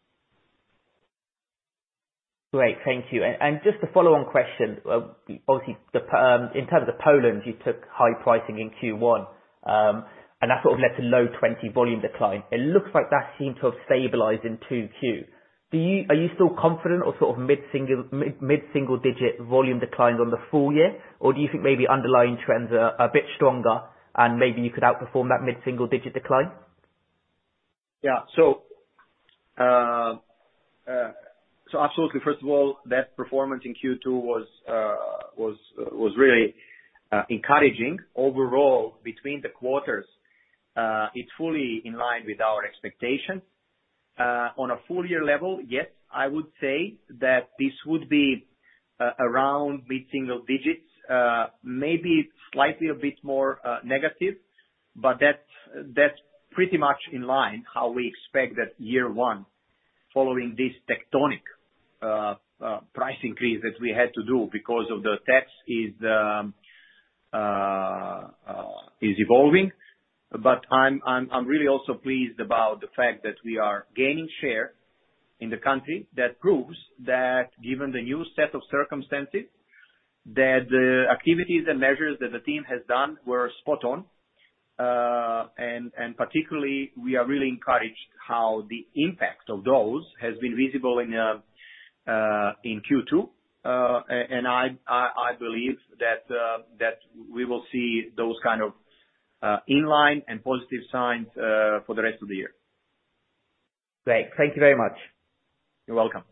Great. Thank you. And just a follow-on question. Obviously, in terms of Poland, you took high pricing in Q1, and that sort of led to low 20 volume decline. It looks like that seemed to have stabilized in 2Q. Are you still confident of sort of mid-single digit volume declines on the full year, or do you think maybe underlying trends are a bit stronger and maybe you could outperform that mid-single digit decline? Yeah. So absolutely. First of all, that performance in Q2 was really encouraging. Overall, between the quarters, it's fully in line with our expectations. On a full year level, yes, I would say that this would be around mid-single digits, maybe slightly a bit more negative, but that's pretty much in line how we expect that year one following this tectonic price increase that we had to do because of the tax is evolving. But I'm really also pleased about the fact that we are gaining share in the country. That proves that given the new set of circumstances, that the activities and measures that the team has done were spot on. And particularly, we are really encouraged how the impact of those has been visible in Q2. And I believe that we will see those kind of in line and positive signs for the rest of the year. Great. Thank you very much. You're welcome.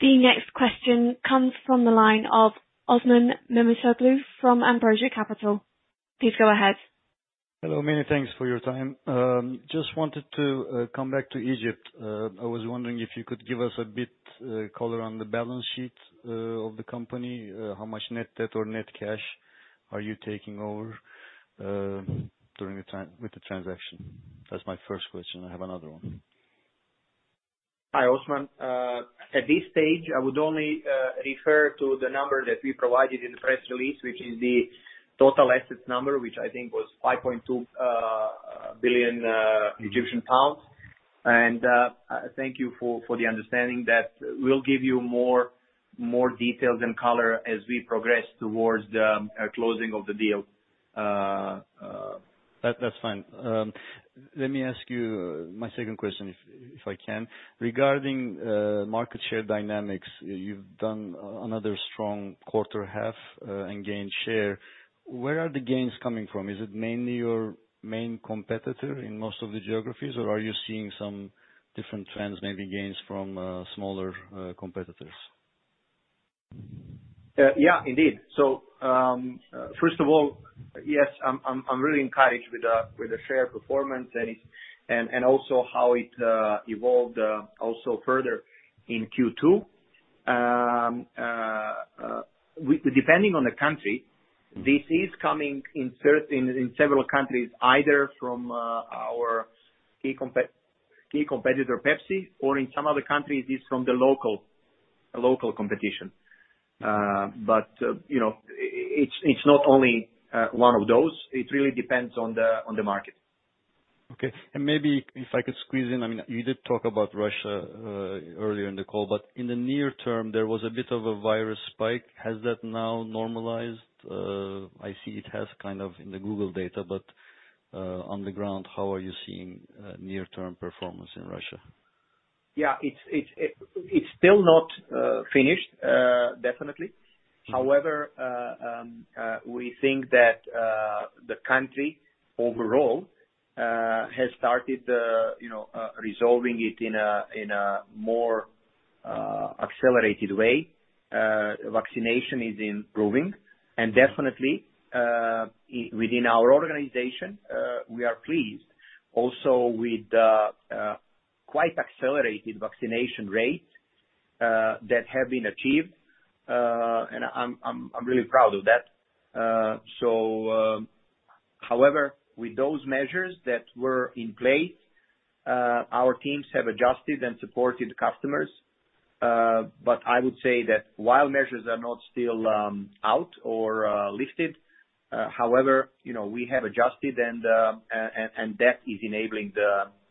The next question comes from the line of Osman Memisoglu from Ambrosia Capital. Please go ahead. Hello. Many thanks for your time. Just wanted to come back to Egypt. I was wondering if you could give us a bit of color on the balance sheet of the company, how much net debt or net cash are you taking over during the time with the transaction? That's my first question. I have another one. Hi, Osman. At this stage, I would only refer to the number that we provided in the press release, which is the total assets number, which I think was 5.2 billion Egyptian pounds. And thank you for the understanding that we'll give you more details and color as we progress towards the closing of the deal. That's fine. Let me ask you my second question, if I can. Regarding market share dynamics, you've done another strong quarter half and gained share. Where are the gains coming from? Is it mainly your main competitor in most of the geographies, or are you seeing some different trends, maybe gains from smaller competitors? Yeah, indeed. So first of all, yes, I'm really encouraged with the share performance and also how it evolved also further in Q2. Depending on the country, this is coming in several countries, either from our key competitor, Pepsi, or in some other countries, it's from the local competition. But it's not only one of those. It really depends on the market. Okay. And maybe if I could squeeze in, I mean, you did talk about Russia earlier in the call, but in the near term, there was a bit of a virus spike. Has that now normalized? I see it has kind of in the Google data, but on the ground, how are you seeing near-term performance in Russia? Yeah. It's still not finished, definitely. However, we think that the country overall has started resolving it in a more accelerated way. Vaccination is improving, and definitely, within our organization, we are pleased also with quite accelerated vaccination rates that have been achieved, and I'm really proud of that. So however, with those measures that were in place, our teams have adjusted and supported customers, but I would say that while measures are not still out or lifted, however, we have adjusted, and that is enabling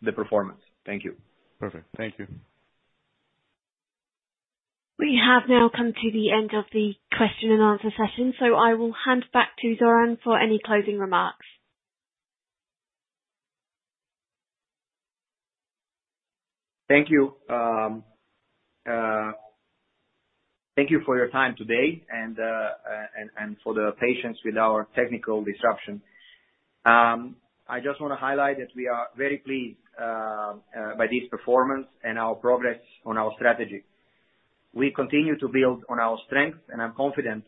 the performance. Thank you. Perfect. Thank you. We have now come to the end of the question and answer session, so I will hand back to Zoran for any closing remarks. Thank you. Thank you for your time today and for the patience with our technical disruption. I just want to highlight that we are very pleased by this performance and our progress on our strategy. We continue to build on our strengths, and I'm confident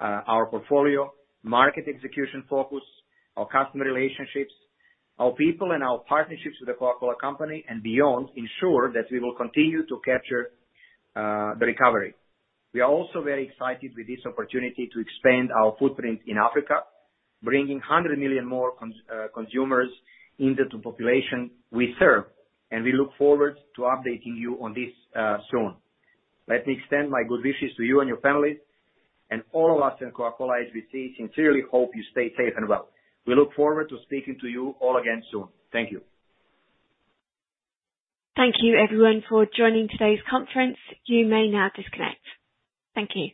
our portfolio, market execution focus, our customer relationships, our people, and our partnerships with the Coca-Cola Company and beyond ensure that we will continue to capture the recovery. We are also very excited with this opportunity to expand our footprint in Africa, bringing 100 million more consumers into the population we serve, and we look forward to updating you on this soon. Let me extend my good wishes to you and your families, and all of us at Coca-Cola HBC sincerely hope you stay safe and well. We look forward to speaking to you all again soon. Thank you. Thank you, everyone, for joining today's conference. You may now disconnect. Thank you.